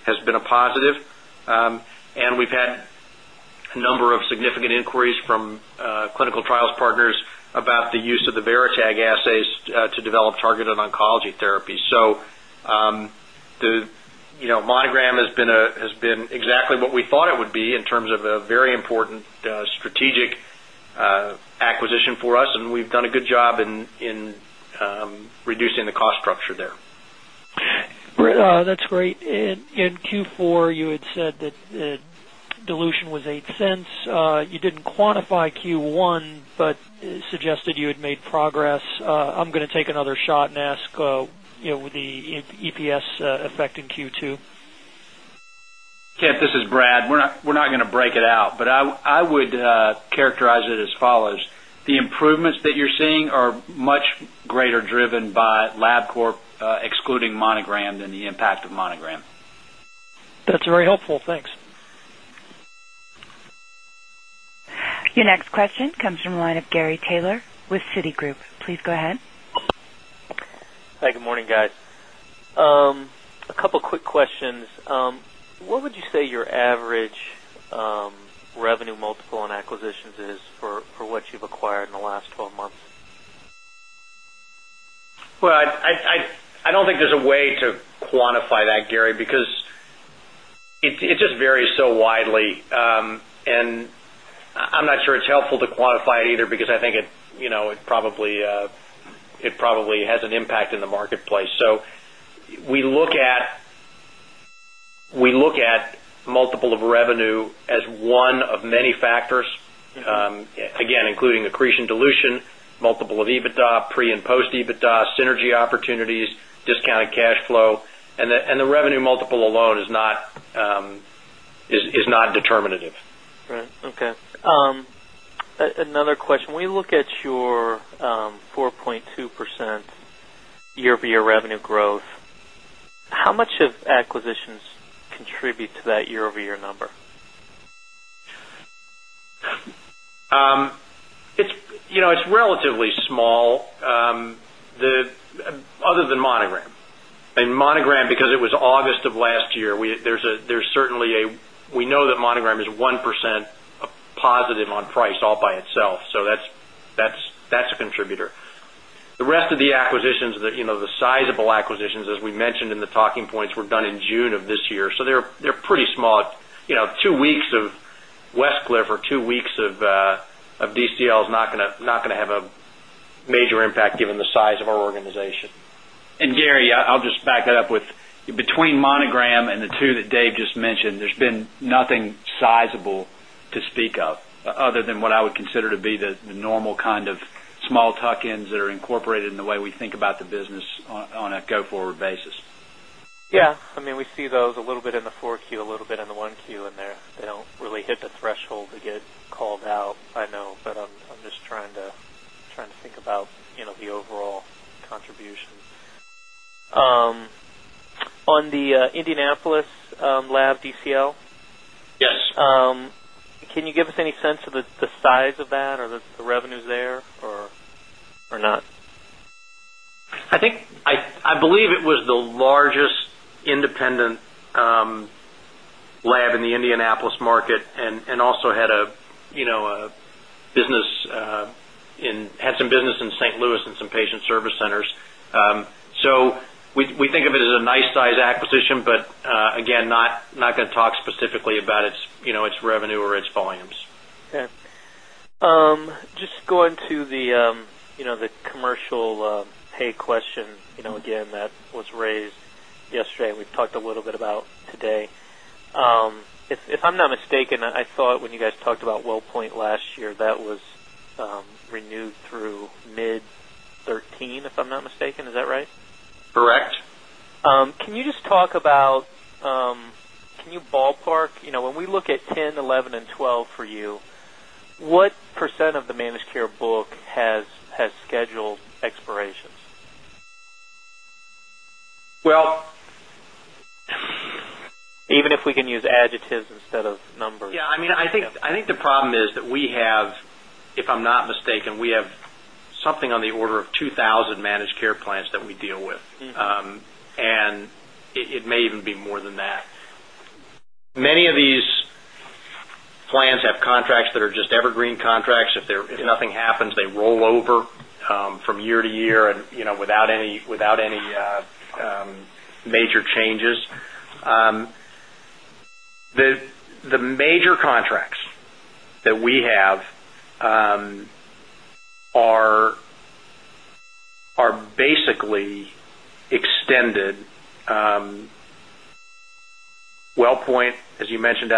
has been a positive. We have had a number of significant inquiries from clinical trials partners about the use of the Varitag assays to develop targeted oncology therapy. The monogram has been exactly what we thought it would be in terms of a very important strategic acquisition for us. We have done a good job in reducing the cost structure there. That's great. In Q4, you had said that dilution was $0.08. You didn't quantify Q1, but suggested you had made progress. I'm going to take another shot and ask with the EPS effect in Q2. Kent, this is Brad. We're not going to break it out. I would characterize it as follows. The improvements that you're seeing are much greater driven by Labcorp excluding Monogram than the impact of Monogram. That's very helpful. Thanks. Your next question comes from the line of Gary Taylor with Citigroup. Please go ahead. Hi. Good morning, guys. A couple of quick questions. What would you say your average revenue multiple on acquisitions is for what you've acquired in the last 12 months? I don't think there's a way to quantify that, Gary, because it just varies so widely. I'm not sure it's helpful to quantify it either because I think it probably has an impact in the marketplace. We look at multiple of revenue as one of many factors, again, including accretion dilution, multiple of EBITDA, pre and post EBITDA, synergy opportunities, discounted cash flow. The revenue multiple alone is not determinative. Right. Okay. Another question. When you look at your 4.2% year-over-year revenue growth, how much of acquisitions contribute to that year-over-year number? It's relatively small other than Monogram. And Monogram, because it was August of last year, there's certainly a we know that Monogram is 1% positive on price all by itself. So that's a contributor. The rest of the acquisitions, the sizable acquisitions, as we mentioned in the talking points, were done in June of this year. So they're pretty small. Two weeks of Westcliff or two weeks of DCL is not going to have a major impact given the size of our organization. And Gary, I'll just back it up with between Monogram and the two that Dave just mentioned, there's been nothing sizable to speak of other than what I would consider to be the normal kind of small tuck-ins that are incorporated in the way we think about the business on a go-forward basis. Yeah. I mean, we see those a little bit in the fourth quarter, a little bit in the first quarter, and they do not really hit the threshold to get called out. I know. I am just trying to think about the overall contribution. On the Indianapolis Lab DCL? Yes. Can you give us any sense of the size of that or the revenues there or not? I believe it was the largest independent lab in the Indianapolis market and also had some business in St. Louis and some patient service centers. We think of it as a nice-sized acquisition, but again, not going to talk specifically about its revenue or its volumes. Okay. Just going to the commercial pay question again that was raised yesterday, and we've talked a little bit about today. If I'm not mistaken, I thought when you guys talked about WellPoint last year, that was renewed through mid-2013, if I'm not mistaken. Is that right? Correct. Can you just talk about, can you ballpark, when we look at 10, 11, and 12 for you, what percent of the managed care book has scheduled expirations? Well. Even if we can use adjectives instead of numbers. Yeah. I mean, I think the problem is that we have, if I'm not mistaken, we have something on the order of 2,000 managed care plans that we deal with. And it may even be more than that. Many of these plans have contracts that are just evergreen contracts. If nothing happens, they roll over from year to year without any major changes. The major contracts that we have are basically extended. WellPoint, as you mentioned,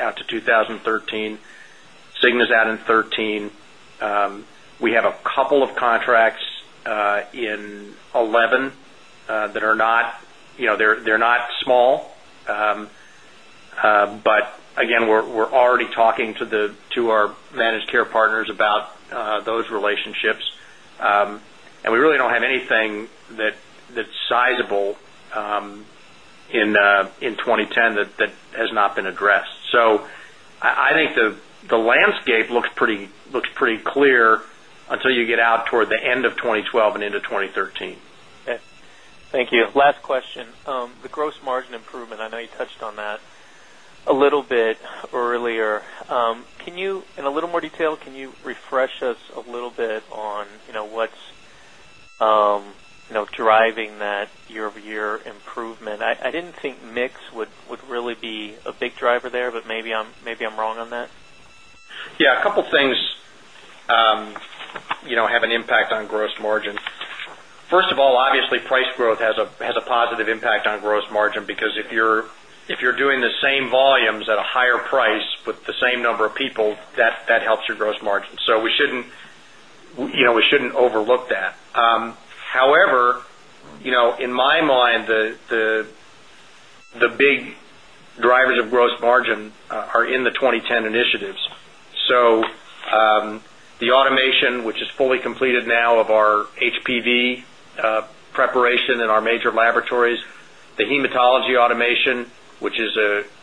out to 2013. Cigna's out in 2013. We have a couple of contracts in 2011 that are not, they're not small. But again, we're already talking to our managed care partners about those relationships. And we really do not have anything that's sizable in 2010 that has not been addressed. I think the landscape looks pretty clear until you get out toward the end of 2012 and into 2013. Okay. Thank you. Last question. The gross margin improvement, I know you touched on that a little bit earlier. In a little more detail, can you refresh us a little bit on what's driving that year-over-year improvement? I didn't think mix would really be a big driver there, but maybe I'm wrong on that. Yeah. A couple of things have an impact on gross margin. First of all, obviously, price growth has a positive impact on gross margin because if you're doing the same volumes at a higher price with the same number of people, that helps your gross margin. We shouldn't overlook that. However, in my mind, the big drivers of gross margin are in the 2010 initiatives. The automation, which is fully completed now of our HPV preparation in our major laboratories, the hematology automation, which is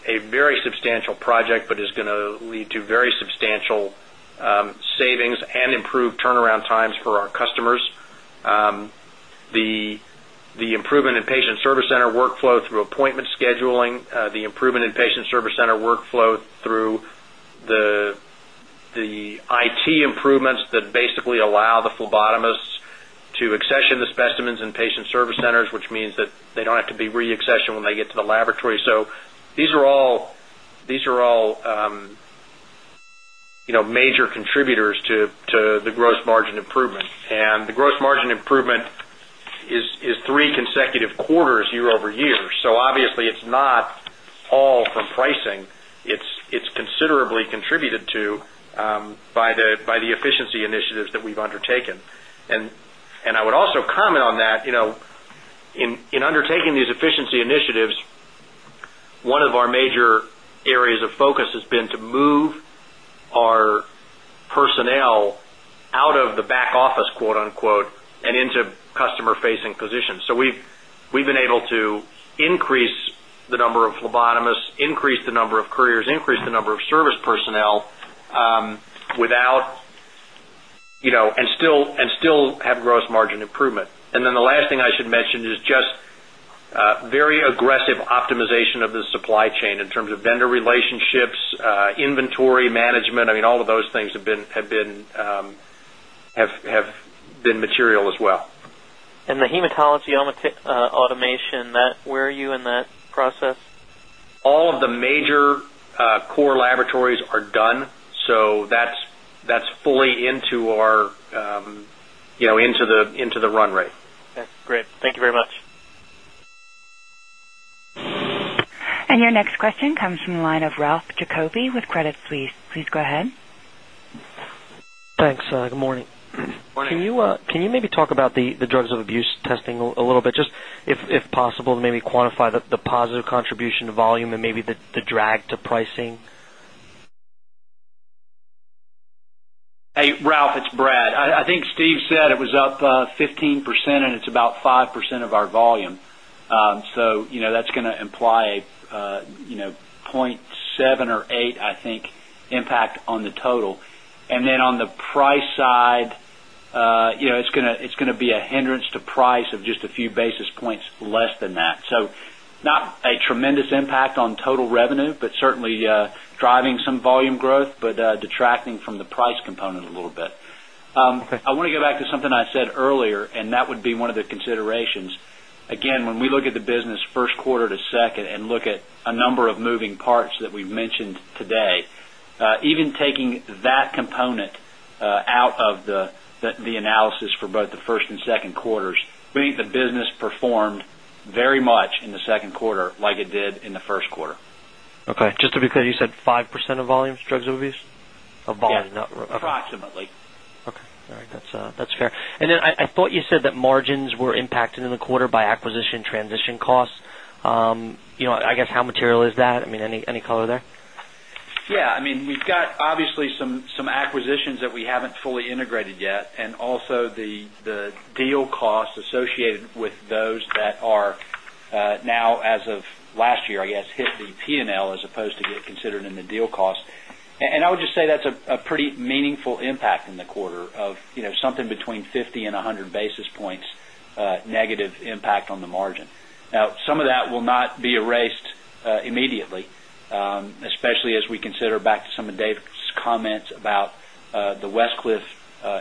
a very substantial project but is going to lead to very substantial savings and improved turnaround times for our customers. The improvement in patient service center workflow through appointment scheduling, the improvement in patient service center workflow through the IT improvements that basically allow the phlebotomists to accession the specimens in patient service centers, which means that they do not have to be re-accessioned when they get to the laboratory. These are all major contributors to the gross margin improvement. The gross margin improvement is three consecutive quarters year-over-year. Obviously, it is not all from pricing. It is considerably contributed to by the efficiency initiatives that we have undertaken. I would also comment on that. In undertaking these efficiency initiatives, one of our major areas of focus has been to move our personnel out of the "back office" and into customer-facing positions. We have been able to increase the number of phlebotomists, increase the number of couriers, increase the number of service personnel without and still have gross margin improvement. The last thing I should mention is just very aggressive optimization of the supply chain in terms of vendor relationships, inventory management. I mean, all of those things have been material as well. The hematology automation, where are you in that process? All of the major core laboratories are done. So that's fully into our into the run rate. Okay. Great. Thank you very much. Your next question comes from the line of Ralph Jacoby with Credit Suisse. Please go ahead. Thanks. Good morning. Good morning. Can you maybe talk about the drugs of abuse testing a little bit? Just if possible, maybe quantify the positive contribution to volume and maybe the drag to pricing. Hey, Ralph, it's Brad. I think Steve said it was up 15%, and it's about 5% of our volume. That is going to imply a 0.7 or 0.8, I think, impact on the total. On the price side, it's going to be a hindrance to price of just a few basis points less than that. Not a tremendous impact on total revenue, but certainly driving some volume growth, but detracting from the price component a little bit. I want to go back to something I said earlier, and that would be one of the considerations. Again, when we look at the business first quarter to second and look at a number of moving parts that we've mentioned today, even taking that component out of the analysis for both the first and second quarters, we think the business performed very much in the second quarter like it did in the first quarter. Okay. Just to be clear, you said 5% of volumes, drugs of abuse? Of volume, not. Yes. Approximately. Okay. All right. That's fair. I thought you said that margins were impacted in the quarter by acquisition transition costs. I guess how material is that? I mean, any color there? Yeah. I mean, we've got obviously some acquisitions that we haven't fully integrated yet. Also the deal costs associated with those that are now, as of last year, I guess, hit the P&L as opposed to get considered in the deal cost. I would just say that's a pretty meaningful impact in the quarter of something between 50 and 100 basis points negative impact on the margin. Now, some of that will not be erased immediately, especially as we consider back to some of Dave's comments about the Westcliff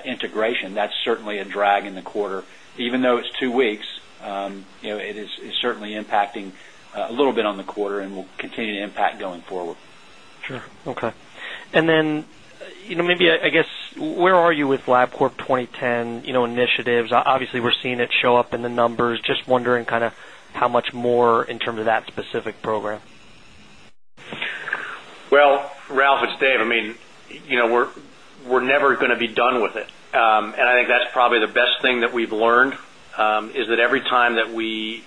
integration. That's certainly a drag in the quarter. Even though it's two weeks, it is certainly impacting a little bit on the quarter and will continue to impact going forward. Sure. Okay. And then maybe, I guess, where are you with Labcorp 2010 initiatives? Obviously, we're seeing it show up in the numbers. Just wondering kind of how much more in terms of that specific program. Ralph, it's Dave. I mean, we're never going to be done with it. I think that's probably the best thing that we've learned is that every time that we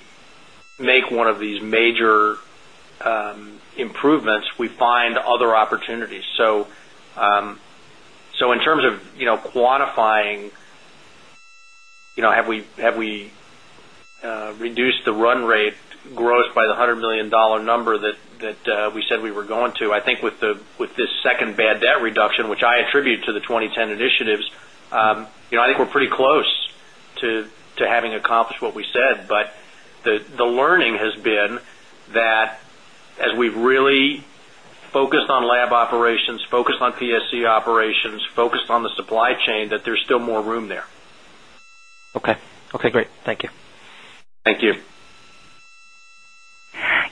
make one of these major improvements, we find other opportunities. In terms of quantifying, have we reduced the run rate gross by the $100 million number that we said we were going to? I think with this second bad debt reduction, which I attribute to the 2010 initiatives, I think we're pretty close to having accomplished what we said. The learning has been that as we've really focused on lab operations, focused on PSC operations, focused on the supply chain, there's still more room there. Okay. Okay. Great. Thank you. Thank you.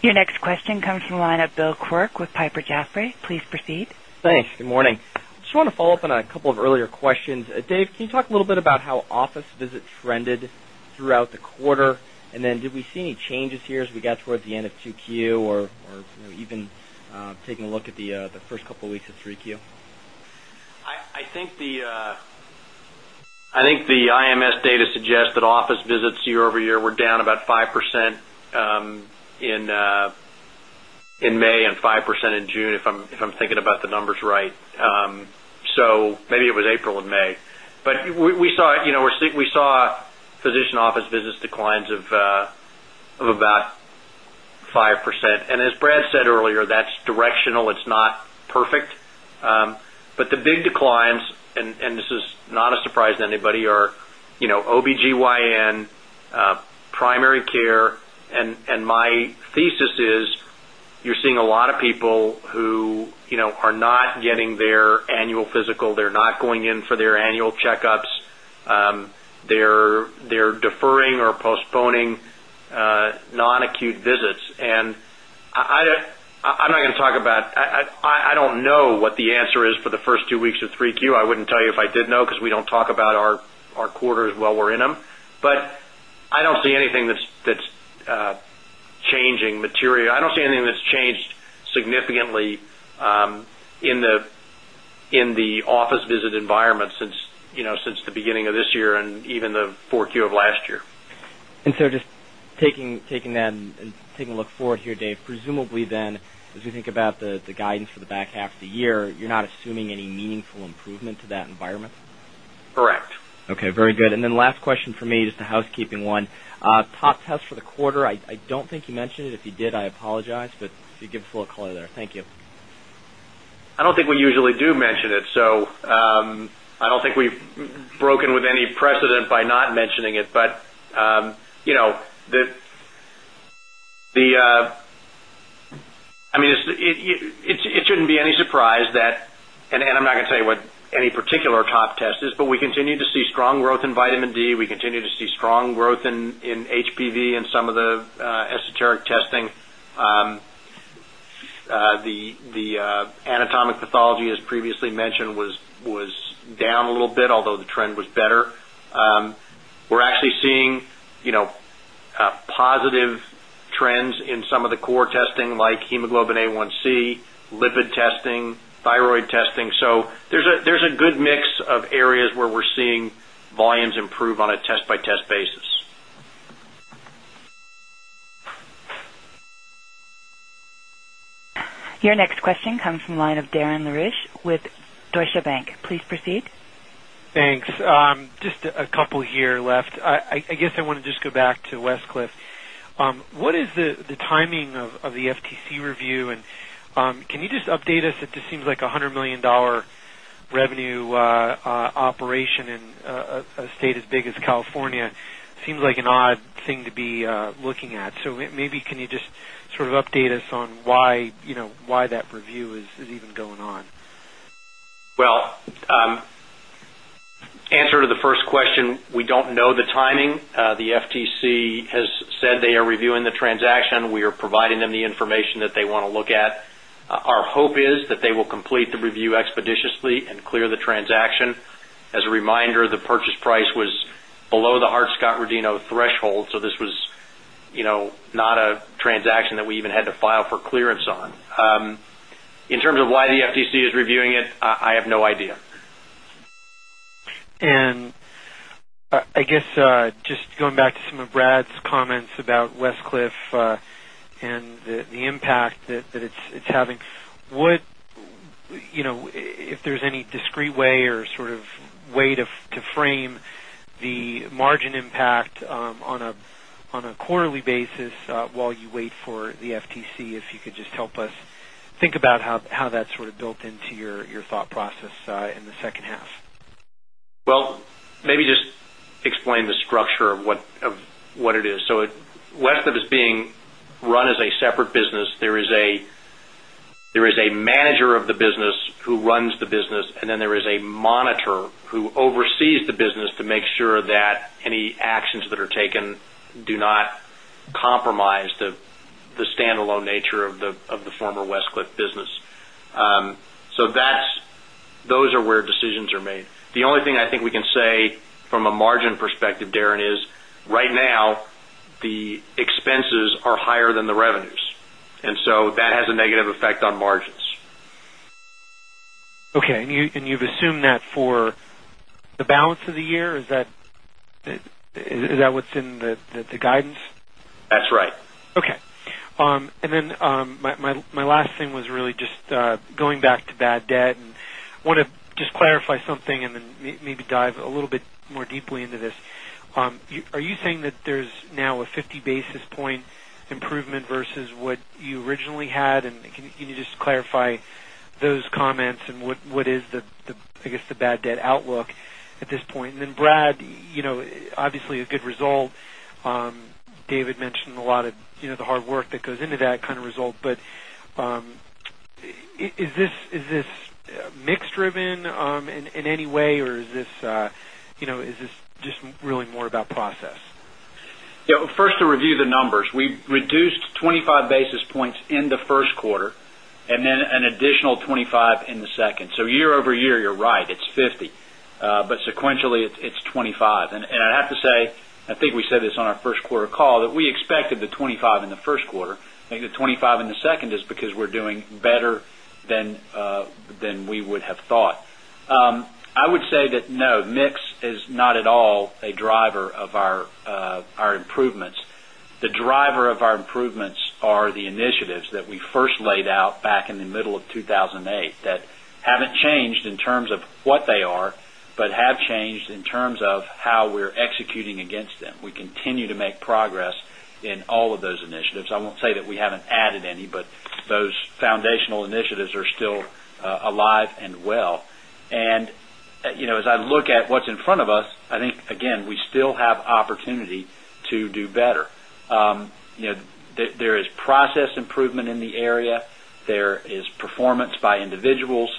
Your next question comes from the line of Bill Quirk with Piper Jaffray. Please proceed. Thanks. Good morning. I just want to follow up on a couple of earlier questions. Dave, can you talk a little bit about how office visits trended throughout the quarter? Did we see any changes here as we got toward the end of 2Q or even taking a look at the first couple of weeks of 3Q? I think the IMS data suggests that office visits year-over-year were down about 5% in May and 5% in June, if I'm thinking about the numbers right. So maybe it was April and May. We saw physician office visits declines of about 5%. As Brad said earlier, that's directional. It's not perfect. The big declines, and this is not a surprise to anybody, are OB/GYN, primary care. My thesis is you're seeing a lot of people who are not getting their annual physical. They're not going in for their annual checkups. They're deferring or postponing non-acute visits. I'm not going to talk about I don't know what the answer is for the first two weeks of 3Q. I wouldn't tell you if I did know because we don't talk about our quarters while we're in them. I don't see anything that's changing material. I don't see anything that's changed significantly in the office visit environment since the beginning of this year and even the Q4 of last year. Just taking that and taking a look forward here, Dave, presumably then as we think about the guidance for the back half of the year, you're not assuming any meaningful improvement to that environment? Correct. Okay. Very good. Then last question for me, just a housekeeping one. Top test for the quarter? I do not think you mentioned it. If you did, I apologize. If you could give us a little color there. Thank you. I don't think we usually do mention it. I don't think we've broken with any precedent by not mentioning it. I mean, it shouldn't be any surprise that—I am not going to tell you what any particular top test is—but we continue to see strong growth in vitamin D. We continue to see strong growth in HPV and some of the esoteric testing. The anatomic pathology, as previously mentioned, was down a little bit, although the trend was better. We're actually seeing positive trends in some of the core testing like hemoglobin A1C, lipid testing, thyroid testing. There is a good mix of areas where we're seeing volumes improve on a test-by-test basis. Your next question comes from the line of Darren Lariche with Deutsche Bank. Please proceed. Thanks. Just a couple here left. I guess I want to just go back to Westcliff. What is the timing of the FTC review? Can you just update us? It just seems like a $100 million revenue operation in a state as big as California seems like an odd thing to be looking at. Maybe can you just sort of update us on why that review is even going on? Answer to the first question, we don't know the timing. The FTC has said they are reviewing the transaction. We are providing them the information that they want to look at. Our hope is that they will complete the review expeditiously and clear the transaction. As a reminder, the purchase price was below the Hart-Scott-Rodino threshold. This was not a transaction that we even had to file for clearance on. In terms of why the FTC is reviewing it, I have no idea. I guess just going back to some of Brad's comments about Westcliff and the impact that it's having, if there's any discrete way or sort of way to frame the margin impact on a quarterly basis while you wait for the FTC, if you could just help us think about how that's sort of built into your thought process in the second half. Maybe just explain the structure of what it is. Westcliff is being run as a separate business. There is a manager of the business who runs the business, and then there is a monitor who oversees the business to make sure that any actions that are taken do not compromise the standalone nature of the former Westcliff business. Those are where decisions are made. The only thing I think we can say from a margin perspective, Darren, is right now the expenses are higher than the revenues. That has a negative effect on margins. Okay. You have assumed that for the balance of the year. Is that what is in the guidance? That's right. Okay. My last thing was really just going back to bad debt. I want to just clarify something and then maybe dive a little bit more deeply into this. Are you saying that there's now a 50 basis point improvement versus what you originally had? Can you just clarify those comments and what is, I guess, the bad debt outlook at this point? Brad, obviously a good result. David mentioned a lot of the hard work that goes into that kind of result. Is this mixed-driven in any way, or is this just really more about process? Yeah. First, to review the numbers, we reduced 25 basis points in the first quarter and then an additional 25 in the second. Year-over-year, you're right, it's 50. Sequentially, it's 25. I have to say, I think we said this on our first quarter call, that we expected the 25 in the first quarter. I think the 25 in the second is because we're doing better than we would have thought. I would say that no, mix is not at all a driver of our improvements. The driver of our improvements are the initiatives that we first laid out back in the middle of 2008 that have not changed in terms of what they are, but have changed in terms of how we're executing against them. We continue to make progress in all of those initiatives. I won't say that we haven't added any, but those foundational initiatives are still alive and well. As I look at what's in front of us, I think, again, we still have opportunity to do better. There is process improvement in the area. There is performance by individuals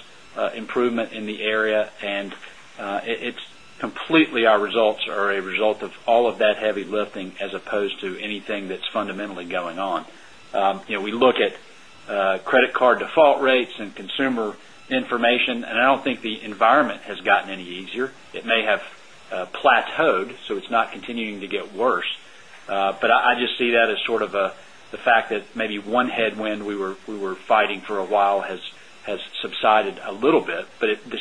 improvement in the area. Completely, our results are a result of all of that heavy lifting as opposed to anything that's fundamentally going on. We look at credit card default rates and consumer information, and I don't think the environment has gotten any easier. It may have plateaued, so it's not continuing to get worse. I just see that as sort of the fact that maybe one headwind we were fighting for a while has subsided a little bit.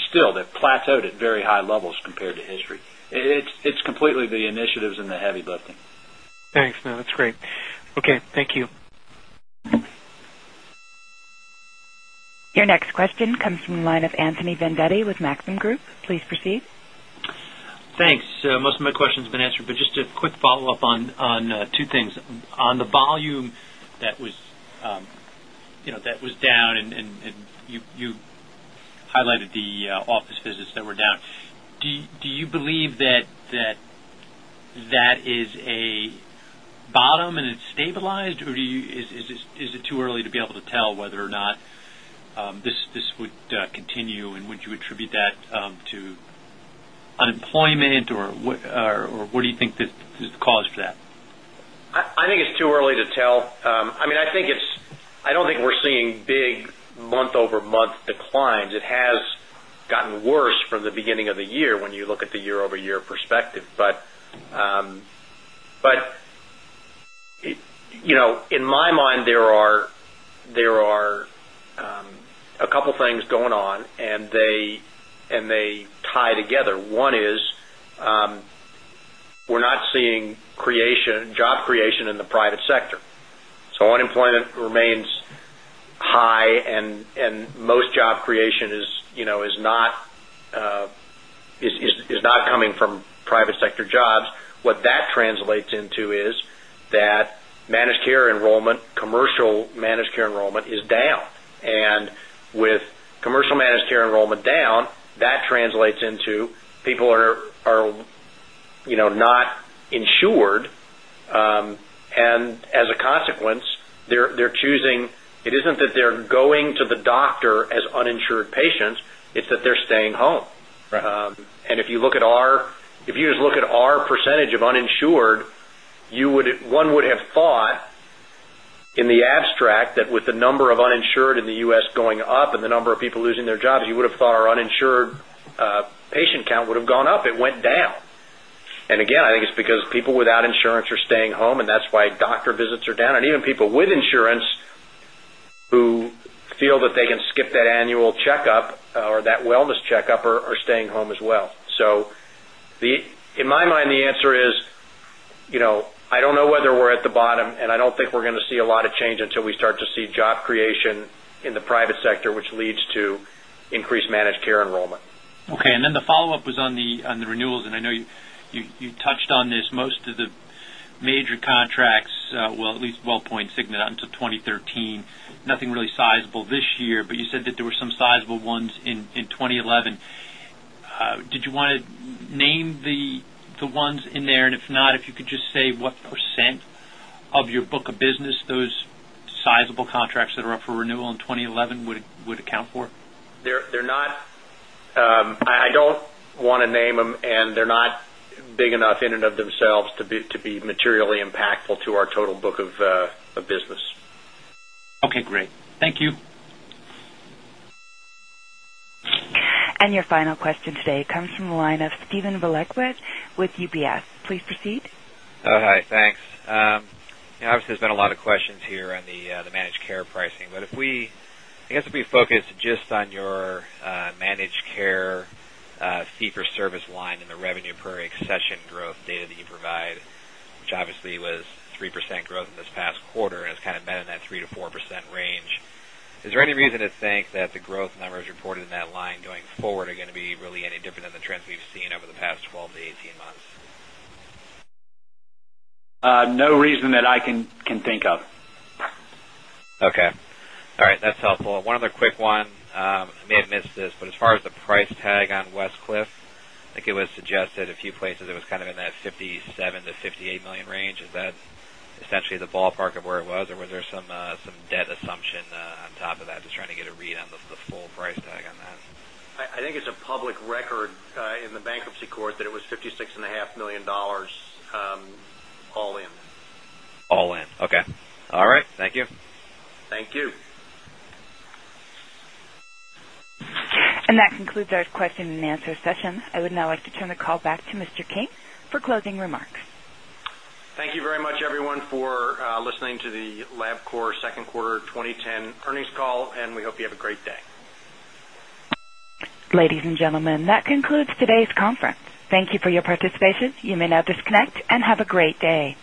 Still, it plateaued at very high levels compared to history. It's completely the initiatives and the heavy lifting. Thanks. No, that's great. Okay. Thank you. Your next question comes from the line of Anthony Vendetti with Maxim Group. Please proceed. Thanks. Most of my questions have been answered. Just a quick follow-up on two things. On the volume that was down, and you highlighted the office visits that were down, do you believe that that is a bottom and it's stabilized, or is it too early to be able to tell whether or not this would continue? Would you attribute that to unemployment, or what do you think is the cause for that? I think it's too early to tell. I mean, I think it's—I don't think we're seeing big month-over-month declines. It has gotten worse from the beginning of the year when you look at the year-over-year perspective. In my mind, there are a couple of things going on, and they tie together. One is we're not seeing job creation in the private sector. Unemployment remains high, and most job creation is not coming from private sector jobs. What that translates into is that managed care enrollment, commercial managed care enrollment is down. With commercial managed care enrollment down, that translates into people are not insured. As a consequence, they're choosing—it isn't that they're going to the doctor as uninsured patients. It's that they're staying home. If you look at our—if you just look at our percentage of uninsured, one would have thought in the abstract that with the number of uninsured in the U.S. going up and the number of people losing their jobs, you would have thought our uninsured patient count would have gone up. It went down. I think it is because people without insurance are staying home, and that is why doctor visits are down. Even people with insurance who feel that they can skip that annual checkup or that wellness checkup are staying home as well. In my mind, the answer is I do not know whether we are at the bottom, and I do not think we are going to see a lot of change until we start to see job creation in the private sector, which leads to increased managed care enrollment. Okay. The follow-up was on the renewals. I know you touched on this. Most of the major contracts, well, at least WellPoint signed it out until 2013. Nothing really sizable this year. You said that there were some sizable ones in 2011. Did you want to name the ones in there? If not, if you could just say what percent of your book of business those sizable contracts that are up for renewal in 2011 would account for? They're not—I don't want to name them, and they're not big enough in and of themselves to be materially impactful to our total book of business. Okay. Great. Thank you. Your final question today comes from the line of Steven Velezquit with UBS. Please proceed. Oh, hi. Thanks. Obviously, there's been a lot of questions here on the managed care pricing. I guess if we focus just on your managed care fee-for-service line and the revenue per accession growth data that you provide, which obviously was 3% growth in this past quarter and has kind of been in that 3%-4% range, is there any reason to think that the growth numbers reported in that line going forward are going to be really any different than the trends we've seen over the past 12-18 months? No reason that I can think of. Okay. All right. That's helpful. One other quick one. I may have missed this. But as far as the price tag on Westcliff, I think it was suggested a few places it was kind of in that $57 million-$58 million range. Is that essentially the ballpark of where it was, or was there some debt assumption on top of that, just trying to get a read on the full price tag on that? I think it's a public record in the bankruptcy court that it was $56.5 million all in. All in. Okay. All right. Thank you. Thank you. That concludes our question-and-answer session. I would now like to turn the call back to Mr. King for closing remarks. Thank you very much, everyone, for listening to the Labcorp Second Quarter 2010 earnings call. We hope you have a great day. Ladies and gentlemen, that concludes today's conference. Thank you for your participation. You may now disconnect and have a great day.